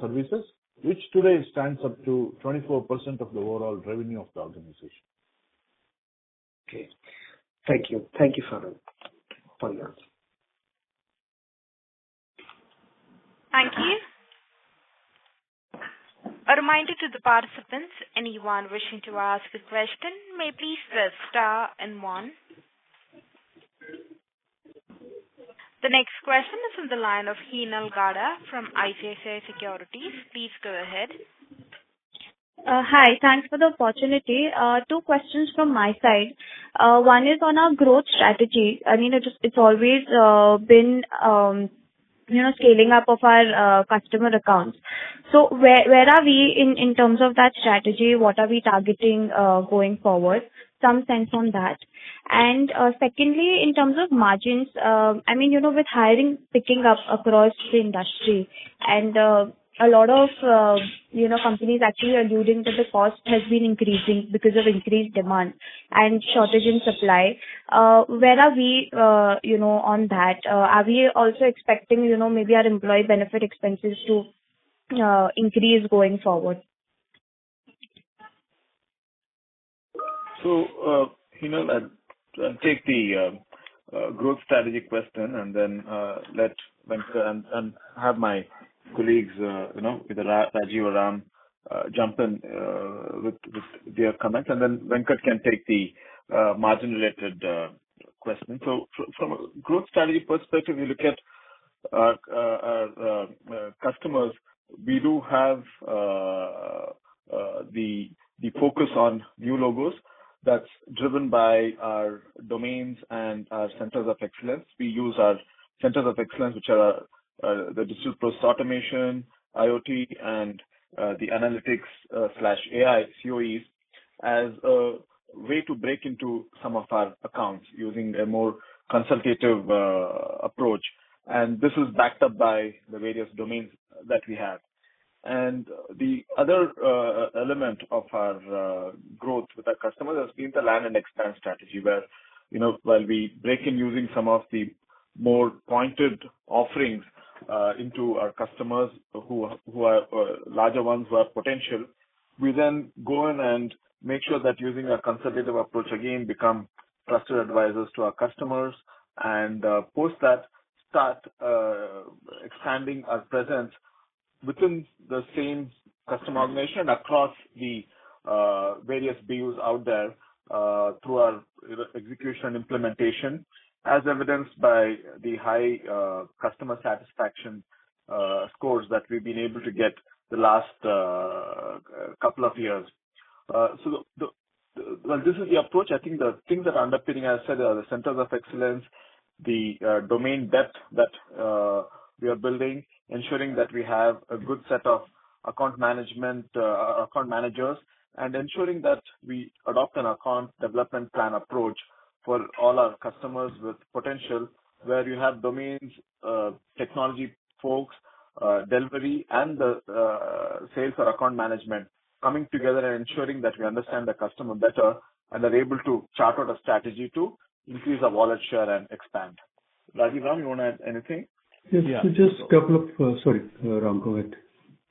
services, which today stands up to 24% of the overall revenue of the organization. Okay. Thank you. Thank you for that. Bye-bye. A reminder to the participants, anyone wishing to ask a question may please press star and one. The next question is from the line of Heenal Gada from ICICI Securities. Please go ahead. Hi, thanks for the opportunity. Two questions from my side. One is on our growth strategy. I mean, it's always, you know, scaling up of our customer accounts. So where are we in terms of that strategy? What are we targeting going forward? Some sense on that. Secondly, in terms of margins, I mean, you know, with hiring picking up across the industry and a lot of you know, companies actually are alluding that the cost has been increasing because of increased demand and shortage in supply. Where are we, you know, on that? Are we also expecting, you know, maybe our employee benefit expenses to increase going forward? Heenal, I'll take the growth strategy question and then let Venkat and have my colleagues, you know, Vidya, Rajiv around, jump in, with their comments. Then Venkat can take the margin-related question. From a growth strategy perspective, we look at our customers. We do have the focus on new logos that's driven by our domains and our centers of excellence. We use our centers of excellence, which are the digital process automation, IoT, and the analytics slash AI COEs as a way to break into some of our accounts using a more consultative approach. This is backed up by the various domains that we have. The other element of our growth with our customers has been the land and expand strategy, where, you know, while we break in using some of the more pointed offerings into our customers who are larger ones who have potential. We then go in and make sure that using a consultative approach, again, become trusted advisors to our customers. Post that, start expanding our presence within the same customer organization across the various BUs out there through our, you know, execution and implementation, as evidenced by the high customer satisfaction scores that we've been able to get the last couple of years. This is the approach. I think the things that are underpinning, as I said, are the centers of excellence, the domain depth that we are building, ensuring that we have a good set of account management, account managers. Ensuring that we adopt an account development plan approach for all our customers with potential, where you have domains, technology folks, delivery and the sales or account management coming together and ensuring that we understand the customer better and are able to chart out a strategy to increase our wallet share and expand. Rajiv, you wanna add anything? Yes. Yeah. Sorry, Ram, go ahead.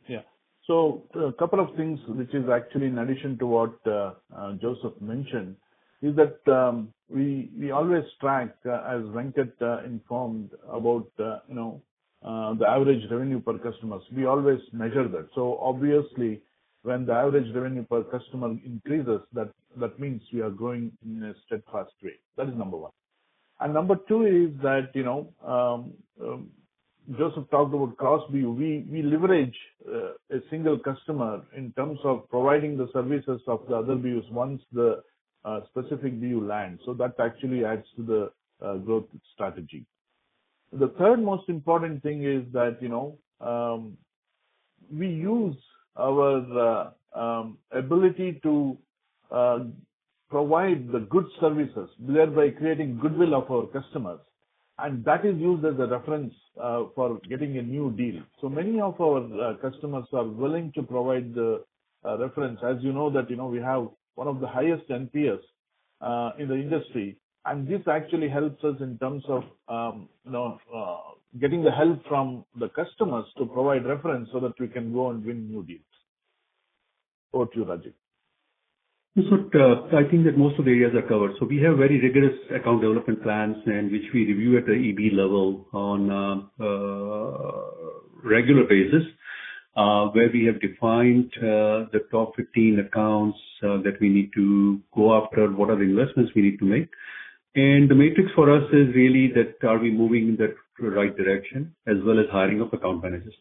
Yeah. A couple of things which is actually in addition to what Joseph mentioned is that we always track as Venkat informed about you know the average revenue per customer. We always measure that. Obviously, when the average revenue per customer increases, that means we are growing at a steady rate. That is number one. Number two is that you know Joseph talked about cross BU. We leverage a single customer in terms of providing the services of the other BUs once the specific BU lands. That actually adds to the growth strategy. The third most important thing is that, you know, we use our ability to provide the good services, thereby creating goodwill of our customers, and that is used as a reference for getting a new deal. Many of our customers are willing to provide the reference. As you know that, you know, we have one of the highest NPS in the industry, and this actually helps us in terms of, you know, getting the help from the customers to provide reference so that we can go and win new deals. Over to you, Rajiv. Joseph, I think that most of the areas are covered. We have very rigorous account development plans and which we review at the EB level on a regular basis. Where we have defined the top 15 accounts that we need to go after and what are the investments we need to make. The matrix for us is really that, are we moving in the right direction, as well as hiring of account managers.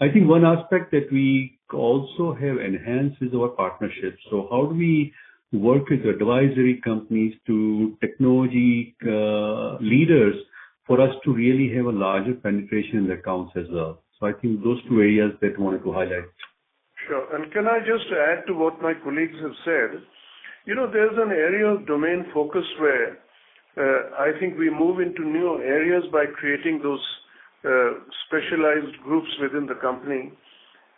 I think one aspect that we also have enhanced is our partnerships. How do we work with the advisory companies to technology leaders for us to really have a larger penetration in the accounts as well? I think those two areas that we wanted to highlight. Sure. Can I just add to what my colleagues have said? You know, there's an area of domain focus where I think we move into new areas by creating those specialized groups within the company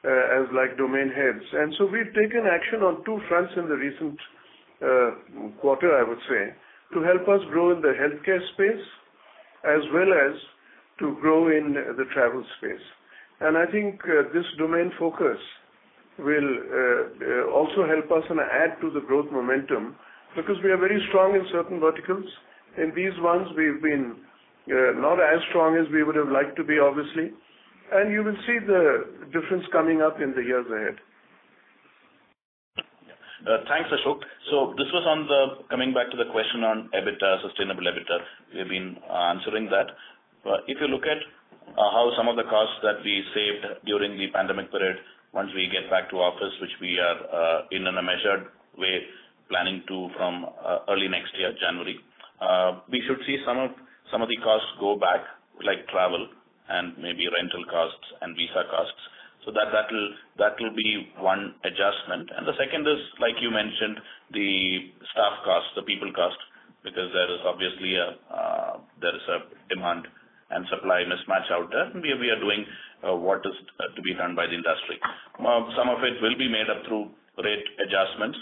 as like domain heads. We've taken action on two fronts in the recent quarter, I would say, to help us grow in the healthcare space as well as to grow in the travel space. I think this domain focus will also help us and add to the growth momentum because we are very strong in certain verticals, and these ones we've been Yeah, not as strong as we would have liked to be, obviously. You will see the difference coming up in the years ahead. Yeah. Thanks, Ashok. This was on the coming back to the question on EBITDA, sustainable EBITDA, we've been answering that. If you look at how some of the costs that we saved during the pandemic period, once we get back to office, which we are in a measured way planning to from early next year, January, we should see some of the costs go back, like travel and maybe rental costs and visa costs. That'll be one adjustment. The second is, like you mentioned, the staff costs, the people cost, because there is obviously a demand and supply mismatch out there. We are doing what is to be done by the industry. Some of it will be made up through rate adjustments,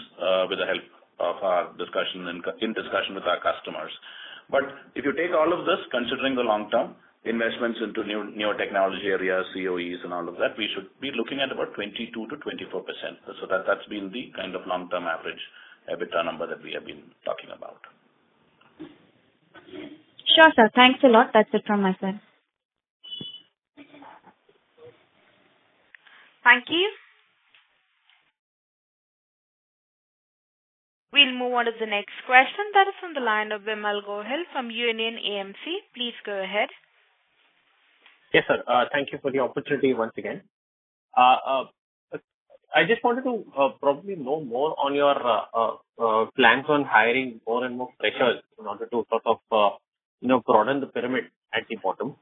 with the help of our discussion and in discussion with our customers. If you take all of this, considering the long-term investments into new technology areas, COEs and all of that, we should be looking at about 22%-24%. That's been the kind of long-term average EBITDA number that we have been talking about. Sure, sir. Thanks a lot. That's it from my side. Thank you. We'll move on to the next question that is from the line of Vimal Gohil from Union AMC. Please go ahead. Yes, sir. Thank you for the opportunity once again. I just wanted to probably know more on your plans on hiring more and more freshers in order to sort of, you know, broaden the pyramid at the bottom.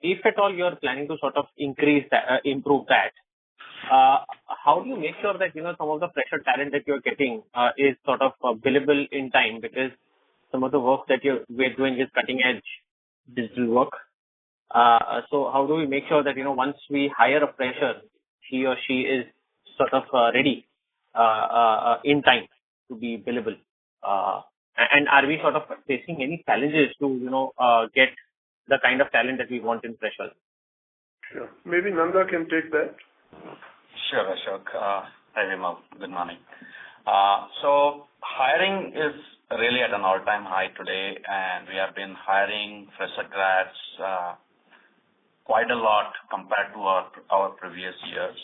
If at all you are planning to sort of increase that, improve that, how do you make sure that, you know, some of the fresher talent that you are getting is sort of available in time? Because some of the work that we are doing is cutting-edge digital work. How do we make sure that, you know, once we hire a fresher, he or she is sort of ready in time to be billable? Are we sort of facing any challenges to, you know, get the kind of talent that we want in freshers? Sure. Maybe Nanda can take that. Sure, Ashok. Hi, Vimal. Good morning. Hiring is really at an all-time high today, and we have been hiring fresher grads quite a lot compared to our previous years.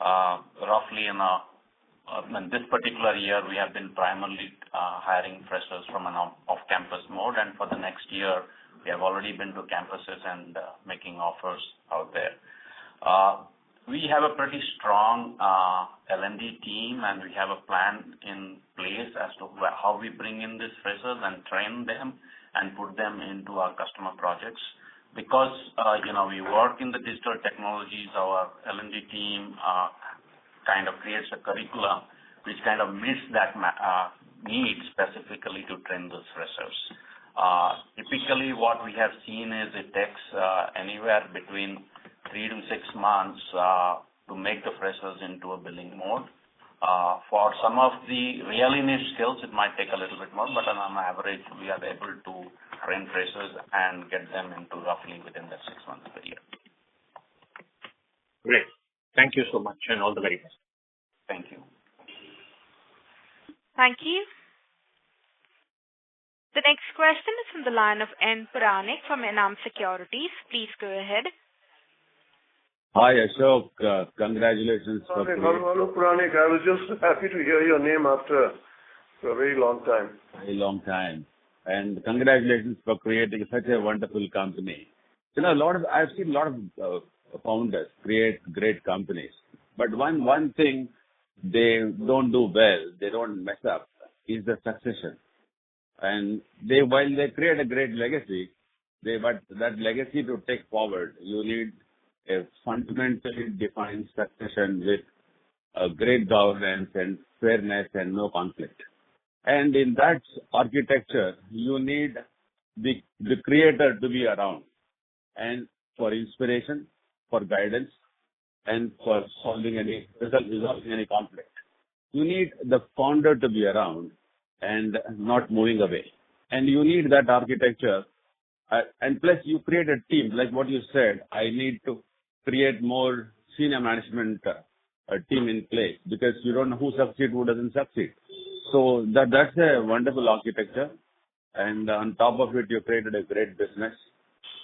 Roughly in this particular year, we have been primarily hiring freshers from an off campus mode. For the next year, we have already been to campuses and making offers out there. We have a pretty strong L&D team, and we have a plan in place as to how we bring in these freshers and train them and put them into our customer projects. Because, you know, we work in the digital technologies, our L&D team kind of creates a curricula which kind of meets that need specifically to train those freshers. Typically, what we have seen is it takes anywhere between 3-6 months to make the freshers into a billing mode. For some of the really niche skills, it might take a little bit more, but on an average, we are able to train freshers and get them into roughly within the 6 months period. Great. Thank you so much, and all the very best. Thank you. Thank you. The next question is from the line of N. Puranik from Anand Securities. Please go ahead. Hi, Ashok. Congratulations for- Hello, Puranik. I was just happy to hear your name after a very long time. a long time. Congratulations for creating such a wonderful company. You know, I've seen a lot of founders create great companies, but one thing they don't do well, they don't mess up, is the succession. While they create a great legacy, that legacy to take forward, you need a fundamentally defined succession with a great governance and fairness and no conflict. In that architecture, you need the creator to be around for inspiration, for guidance, and for solving any resulting conflict. You need the founder to be around and not moving away. You need that architecture. Plus you create a team, like what you said, I need to create more senior management team in place because you don't know who succeed, who doesn't succeed. That, that's a wonderful architecture. On top of it, you created a great business,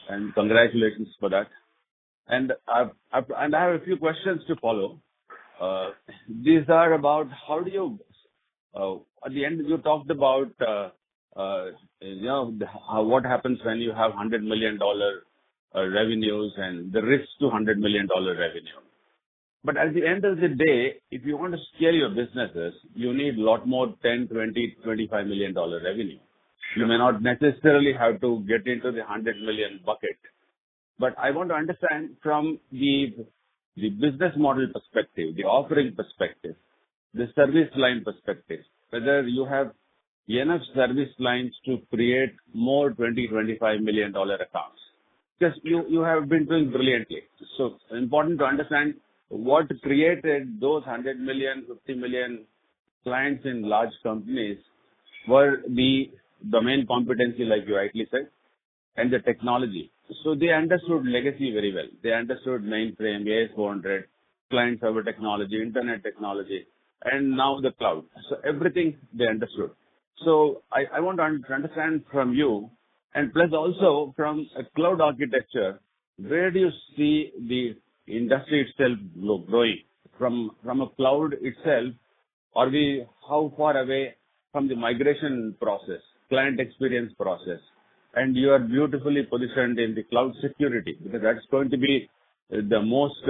and congratulations for that. I have a few questions to follow. These are about how, at the end you talked about you know what happens when you have $100 million revenues and the risks to $100 million revenue. But at the end of the day, if you want to scale your businesses, you need lot more $10, $20, $25 million revenue. You may not necessarily have to get into the $100 million bucket. But I want to understand from the business model perspective, the offering perspective, the service line perspective, whether you have enough service lines to create more $20, $25 million accounts. Because you have been doing brilliantly. Important to understand what created those 100 million, 50 million clients in large companies were the domain competency, like you rightly said. The technology. They understood legacy very well. They understood mainframe, AS/400, client-server technology, Internet technology, and now the cloud. Everything they understood. I want to understand from you, and plus also from a cloud architecture, where do you see the industry itself growing? From a cloud itself, are we how far away from the migration process, client experience process? You are beautifully positioned in the cloud security, because that's going to be the most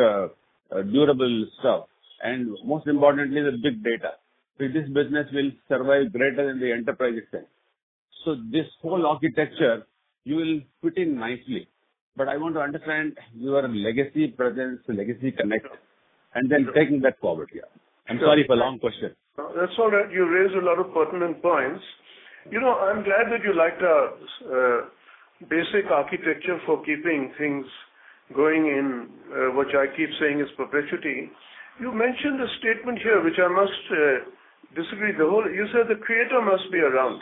durable stuff, and most importantly, the big data. This business will survive greater than the enterprise itself. This whole architecture, you will fit in nicely. I want to understand your legacy presence, legacy connect, and then taking that forward. Yeah. I'm sorry for long question. That's all right. You raised a lot of pertinent points. You know, I'm glad that you liked our basic architecture for keeping things going in which I keep saying is perpetuity. You mentioned a statement here which I must disagree. You said the creator must be around.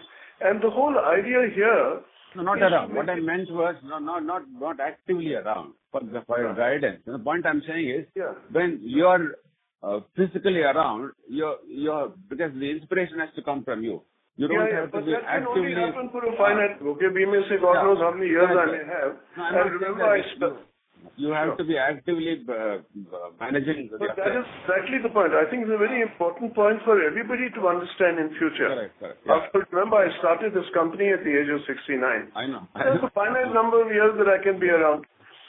The whole idea here- No, not at all. What I meant was not actively around for your guidance. The point I'm saying is Yeah. When you are physically around, you're. Because the inspiration has to come from you. You don't have to be actively- Yeah. That can only happen for a finite group. We may see, God knows, how many years I may have. You have to be actively managing the- That is exactly the point. I think it's a very important point for everybody to understand in future. Correct. Yeah. I remember I started this company at the age of 69. I know. There's a finite number of years that I can be around.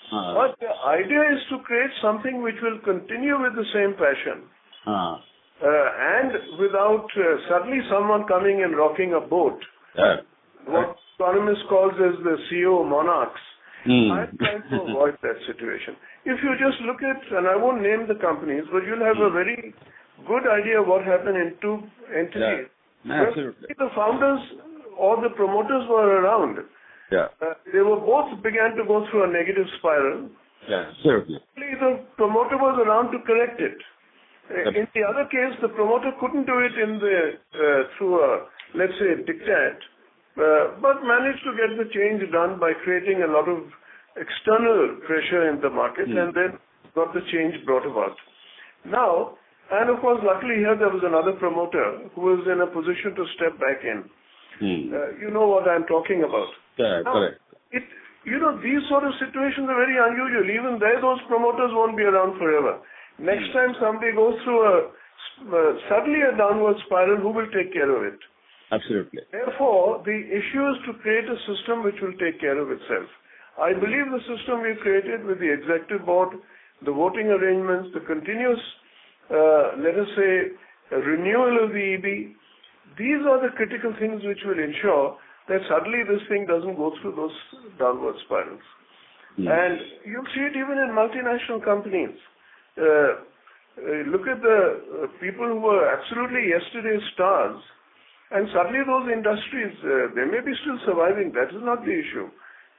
Uh-huh. The idea is to create something which will continue with the same passion. Uh-huh. Without suddenly someone coming and rocking the boat. Yeah. Right. What Paramis calls as the CEO monarchs. Mm-hmm. I'm trying to avoid that situation. If you just look at, and I won't name the companies, but you'll have a very good idea of what happened in two entities. Yeah. Absolutely. The founders or the promoters were around. Yeah. They both began to go through a negative spiral. Yeah. Certainly. The promoter was around to correct it. In the other case, the promoter couldn't do it through a, let's say, diktat, but managed to get the change done by creating a lot of external pressure in the market. Mm-hmm. then got the change brought about. Of course, luckily here there was another promoter who was in a position to step back in. Mm-hmm. You know what I'm talking about. Yeah. Correct. You know, these sort of situations are very unusual. Even there, those promoters won't be around forever. Next time somebody goes through a suddenly a downward spiral, who will take care of it? Absolutely. Therefore, the issue is to create a system which will take care of itself. I believe the system we've created with the Executive Board, the voting arrangements, the continuous, let us say, renewal of the EB, these are the critical things which will ensure that suddenly this thing doesn't go through those downward spirals. Yes. You see it even in multinational companies. Look at the people who were absolutely yesterday's stars, and suddenly those industries, they may be still surviving. That is not the issue.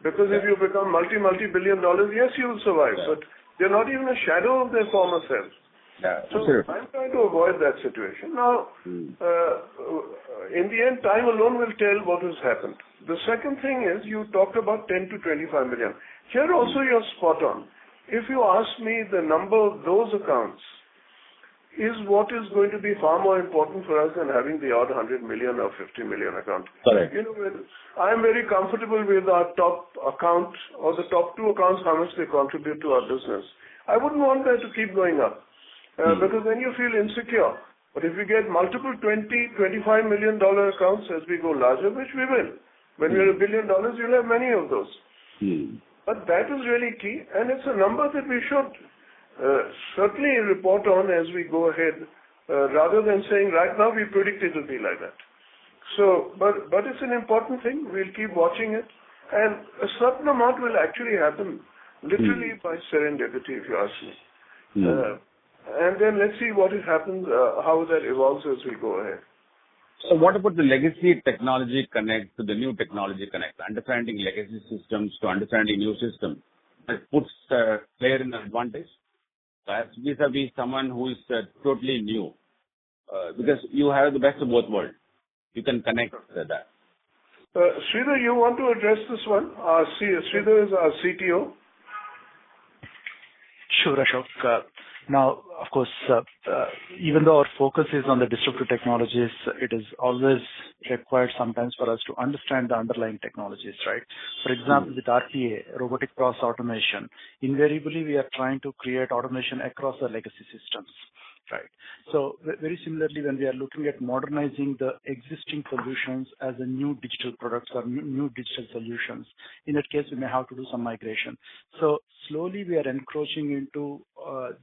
Because if you become multi-billion dollars, yes, you will survive, but they're not even a shadow of their former self. Yeah. True. I'm trying to avoid that situation. Now, in the end, time alone will tell what has happened. The second thing is, you talked about $10 million-$25 million. Here also you're spot on. If you ask me the number of those accounts is what is going to be far more important for us than having the odd $100 million or $50 million account. Correct. You know, I am very comfortable with our top account or the top two accounts, how much they contribute to our business. I wouldn't want that to keep going up, because then you feel insecure. If you get multiple $20-$25 million accounts as we go larger, which we will. When you're $1 billion, you'll have many of those. Mm-hmm. That is really key, and it's a number that we should certainly report on as we go ahead, rather than saying, "Right now we predict it will be like that." It's an important thing. We'll keep watching it. A certain amount will actually happen literally by serendipity, if you ask me. Mm-hmm. Let's see what happens, how that evolves as we go ahead. What about the legacy technology connection to the new technology connection? Understanding legacy systems to understanding new systems, that puts a player in an advantage vis-à-vis someone who is totally new. Because you have the best of both worlds. You can connect with that. Sridhar, you want to address this one? Sridhar is our CTO. Sure, Ashok. Now, of course, even though our focus is on the disruptive technologies, it is always required sometimes for us to understand the underlying technologies, right? For example, with RPA, Robotic Process Automation, invariably, we are trying to create automation across the legacy systems, right? Very similarly, when we are looking at modernizing the existing solutions as new digital products or new digital solutions, in that case, we may have to do some migration. Slowly we are encroaching into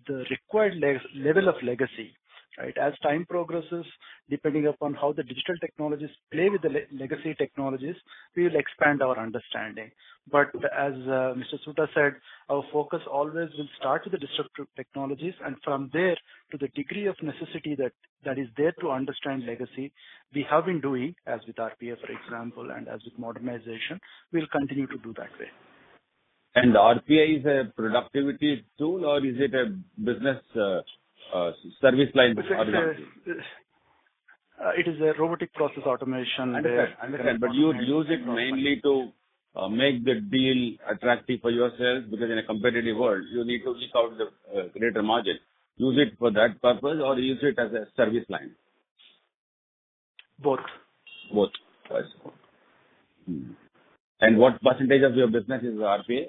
the required level of legacy, right? As time progresses, depending upon how the digital technologies play with the legacy technologies, we will expand our understanding. As, Mr. Soota said, our focus always will start with the disruptive technologies, and from there to the degree of necessity that is there to understand legacy, we have been doing, as with RPA, for example, and as with modernization, we'll continue to do that way. RPA is a productivity tool or is it a business, service line product? It is a robotic process automation where. Understand. You use it mainly to make the deal attractive for yourself because in a competitive world you need to seek out the greater margin. Use it for that purpose or use it as a service line? Both. Both. I see. What percentage of your business is RPA?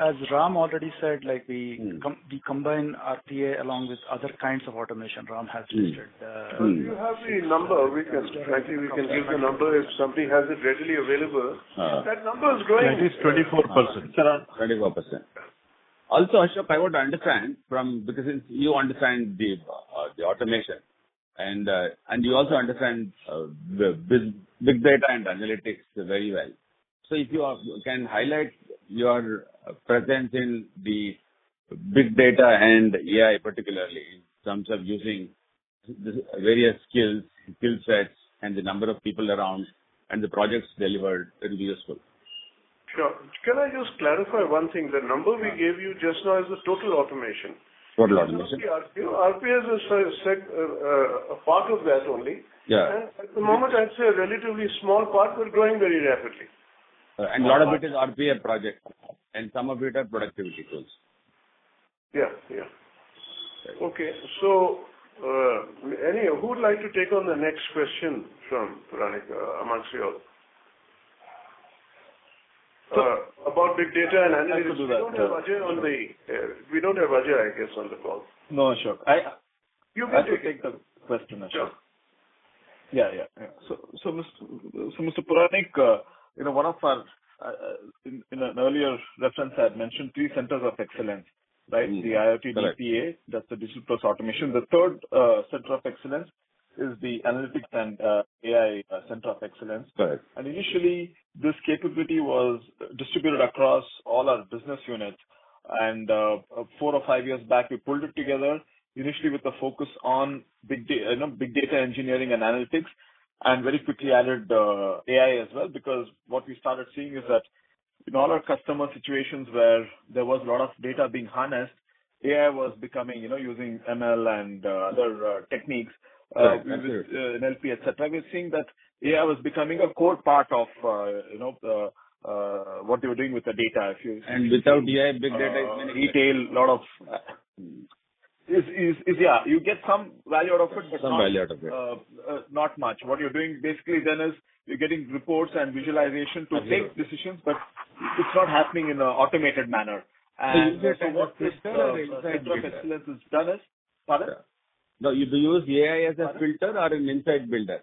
As Ram already said, like we Mm-hmm We combine RPA along with other kinds of automation. Ram has listed the Mm-hmm. Mm-hmm. If you have the number, actually, we can give the number if somebody has it readily available. Uh. That number is growing. It is 24%. Sure. 24%. Also, Ashok, I want to understand from you because since you understand the automation and you also understand the big data and analytics very well. If you can highlight your presence in the big data and AI particularly in terms of using the various skills, skill sets and the number of people around and the projects delivered, it'll be useful. Sure. Can I just clarify one thing? The number we gave you just now is the total automation. Total automation. Not the RPA. RPA is a part of that only. Yeah. At the moment I'd say a relatively small part. We're growing very rapidly. A lot of it is RPA projects and some of it are productivity tools. Yeah. Okay. Who would like to take on the next question from Puranik among you all about big data and analytics? I can do that. We don't have Ajay, I guess, on the call. No, sure. You can take. I can take the question, Ashok. Sure. Mr. Puranik, you know, one of our, in an earlier reference I had mentioned three centers of excellence, right? Mm-hmm. The IOPBPA. Right. That's the digital plus automation. The third center of excellence is the analytics and AI center of excellence. Correct. Initially, this capability was distributed across all our business units. Four or five years back, we pulled it together, initially with a focus on big data engineering and analytics, and very quickly added AI as well. Because what we started seeing is that in all our customer situations where there was a lot of data being harnessed, AI was becoming, you know, using ML and other techniques. Right. Sure. NLP, et cetera. We were seeing that AI was becoming a core part of, you know, what we were doing with the data if you Without AI, big data is many detail, lot of. Yeah. You get some value out of it, but not. Some value out of it. Not much. What you're doing basically then is you're getting reports and visualization to take decisions, but it's not happening in an automated manner. You use it as a filter or an insight builder? What this center of excellence has done is. Pardon? No. You do use AI as a filter or an insight builder?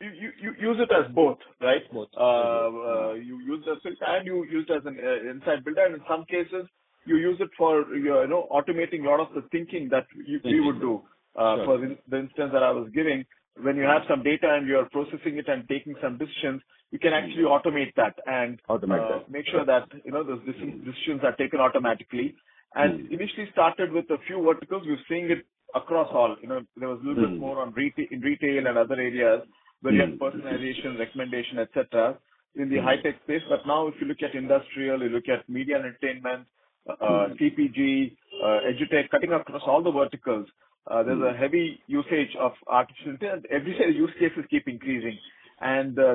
You use it as both, right? Both. Mm-hmm. You use as a filter and you use it as an insight builder, and in some cases you use it for your, you know, automating a lot of the thinking that you would do. Sure. For the instance that I was giving, when you have some data and you are processing it and taking some decisions, you can actually automate that and Automate that. Make sure that, you know, those decisions are taken automatically. Mm-hmm. Initially started with a few verticals. We're seeing it across all. You know, there was a little bit more in retail and other areas. Mm-hmm where you have personalization, recommendation, et cetera. Mm-hmm In the high-tech space. Now if you look at industrial, you look at media and entertainment, CPG, EdTech, cutting across all the verticals. Mm-hmm There's a heavy usage of artificial intelligence. Every single use cases keep increasing.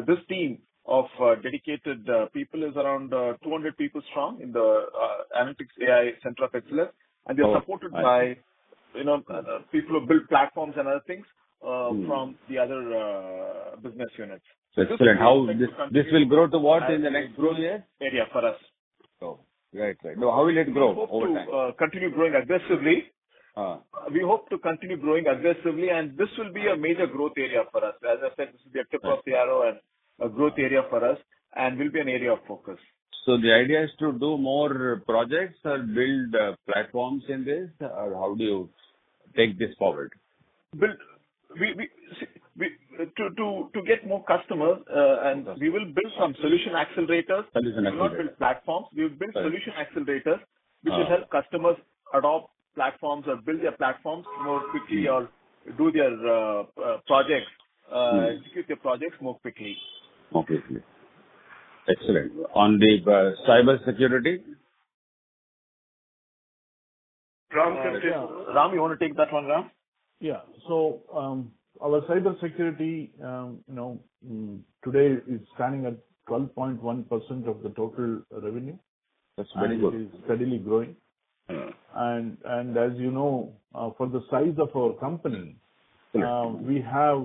This team of dedicated people is around 200 people strong in the analytics AI center of excellence. Oh, I see. They're supported by, you know, people who build platforms and other things. Mm-hmm... from the other business units. Explain how this will grow to what in the next growth year? Area for us. Oh, right. Right. No, how will it grow over time? We hope to continue growing aggressively. Uh. We hope to continue growing aggressively, and this will be a major growth area for us. As I said, this will be a tip of the arrow and a growth area for us and will be an area of focus. The idea is to do more projects or build platforms in this, or how do you take this forward? To get more customers. Okay We will build some solution accelerators. Solution accelerators. We'll not build platforms. Right. We'll build solution accelerators. Uh-huh... which will help customers adopt platforms or build their platforms more quickly or do their projects. Mm-hmm execute their projects more quickly. Okay. Excellent. On the cybersecurity? Ram can take. Yeah. Ram, you wanna take that one, Ram? Our cybersecurity, you know, today is standing at 12.1% of the total revenue. That's very good. It is steadily growing. Mm-hmm. As you know, for the size of our company. Yes We have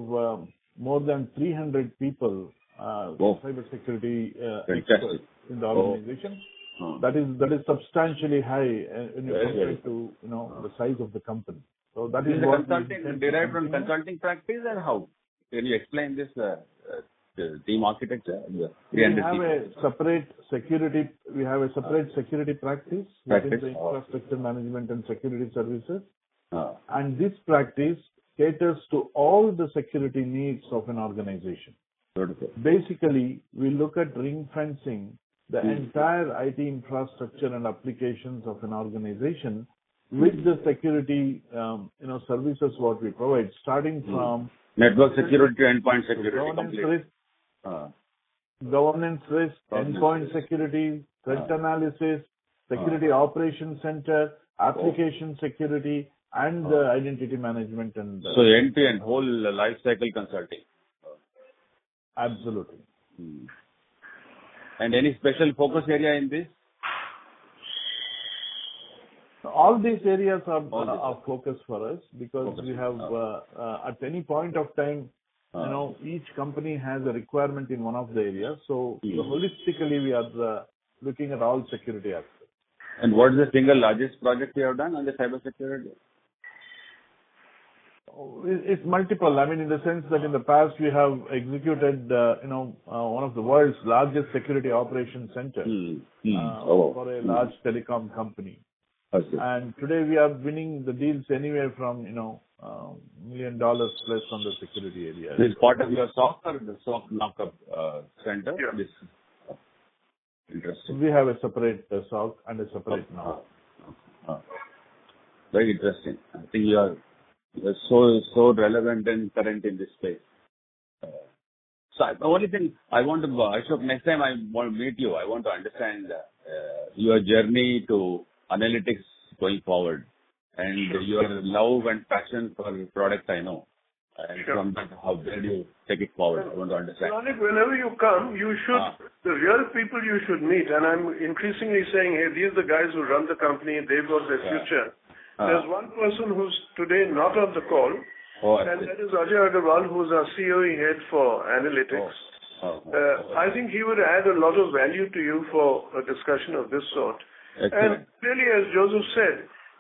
more than 300 people. Wow... who are cybersecurity experts- Fantastic in the organization. Oh. Uh. That is substantially high, in comparison to- Very high. you know, the size of the company. That is what we Is the consulting derived from consulting practice or how? Can you explain this, the team architecture and the people? We have a separate security practice. Practice. Oh. which is Infrastructure Management and Security Services. Uh. This practice caters to all the security needs of an organization. Vertical. Basically, we look at ring-fencing the entire IT infrastructure and applications of an organization with the security, you know, services, what we provide, starting from. Network security to endpoint security complete. To governance with Uh Governance risk, endpoint security, threat analysis, security operations center, application security, and the identity management. End-to-end whole life cycle consulting. Absolutely. Any special focus area in this? All these areas are focus for us because we have at any point of time. Uh. You know, each company has a requirement in one of the areas. Mm. Holistically, we are looking at all security aspects. What is the single largest project you have done on the cybersecurity? Oh, it's multiple. I mean, in the sense that in the past we have executed, you know, one of the world's largest security operation center- Mm-hmm. Mm. Oh. for a large telecom company. I see. Today we are winning the deals anywhere from, you know, $1 million plus on the security area. This part of your SOC or the SOC NOC center? Yeah. Interesting. We have a separate SOC and a separate NOC. Very interesting. I think you are so relevant and current in this space. The only thing I want to, Ashok, next time I want to meet you. I want to understand your journey to analytics going forward. Sure. Your love and passion for the product I know. Sure. From that, how do you take it forward? I want to understand. Puranik, whenever you come, you should. Ah. the real people you should meet, and I'm increasingly saying, "Hey, these are the guys who run the company. They've got the future. Ah. There's one person who's today not on the call. All right. That is Ajay Agrawal, who's our COE head for analytics. Oh. I think he would add a lot of value to you for a discussion of this sort. Okay. Really, as Joseph said,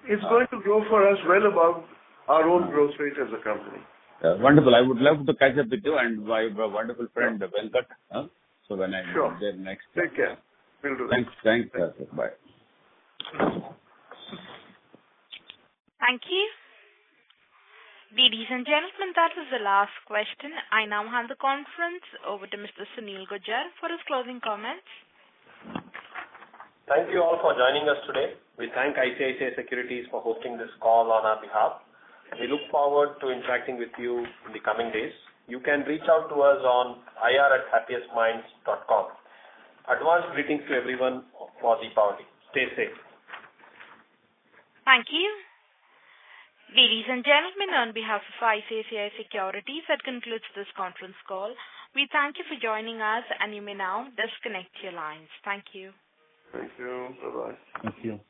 it's going to grow for us well above our own growth rate as a company. Wonderful. I would love to catch up with you and my wonderful friend, Venkat. When I- Sure. Come there next time. Take care. Will do that. Thanks. Thanks, Ashok. Bye. Thank you. Ladies and gentlemen, that is the last question. I now hand the conference over to Mr. Sunil Gujjar for his closing comments. Thank you all for joining us today. We thank ICICI Securities for hosting this call on our behalf, and we look forward to interacting with you in the coming days. You can reach out to us on ir@happiestminds.com. Advance greetings to everyone for Deepavali. Stay safe. Thank you. Ladies and gentlemen, on behalf of ICICI Securities, that concludes this conference call. We thank you for joining us, and you may now disconnect your lines. Thank you. Thank you. Bye-bye. Thank you.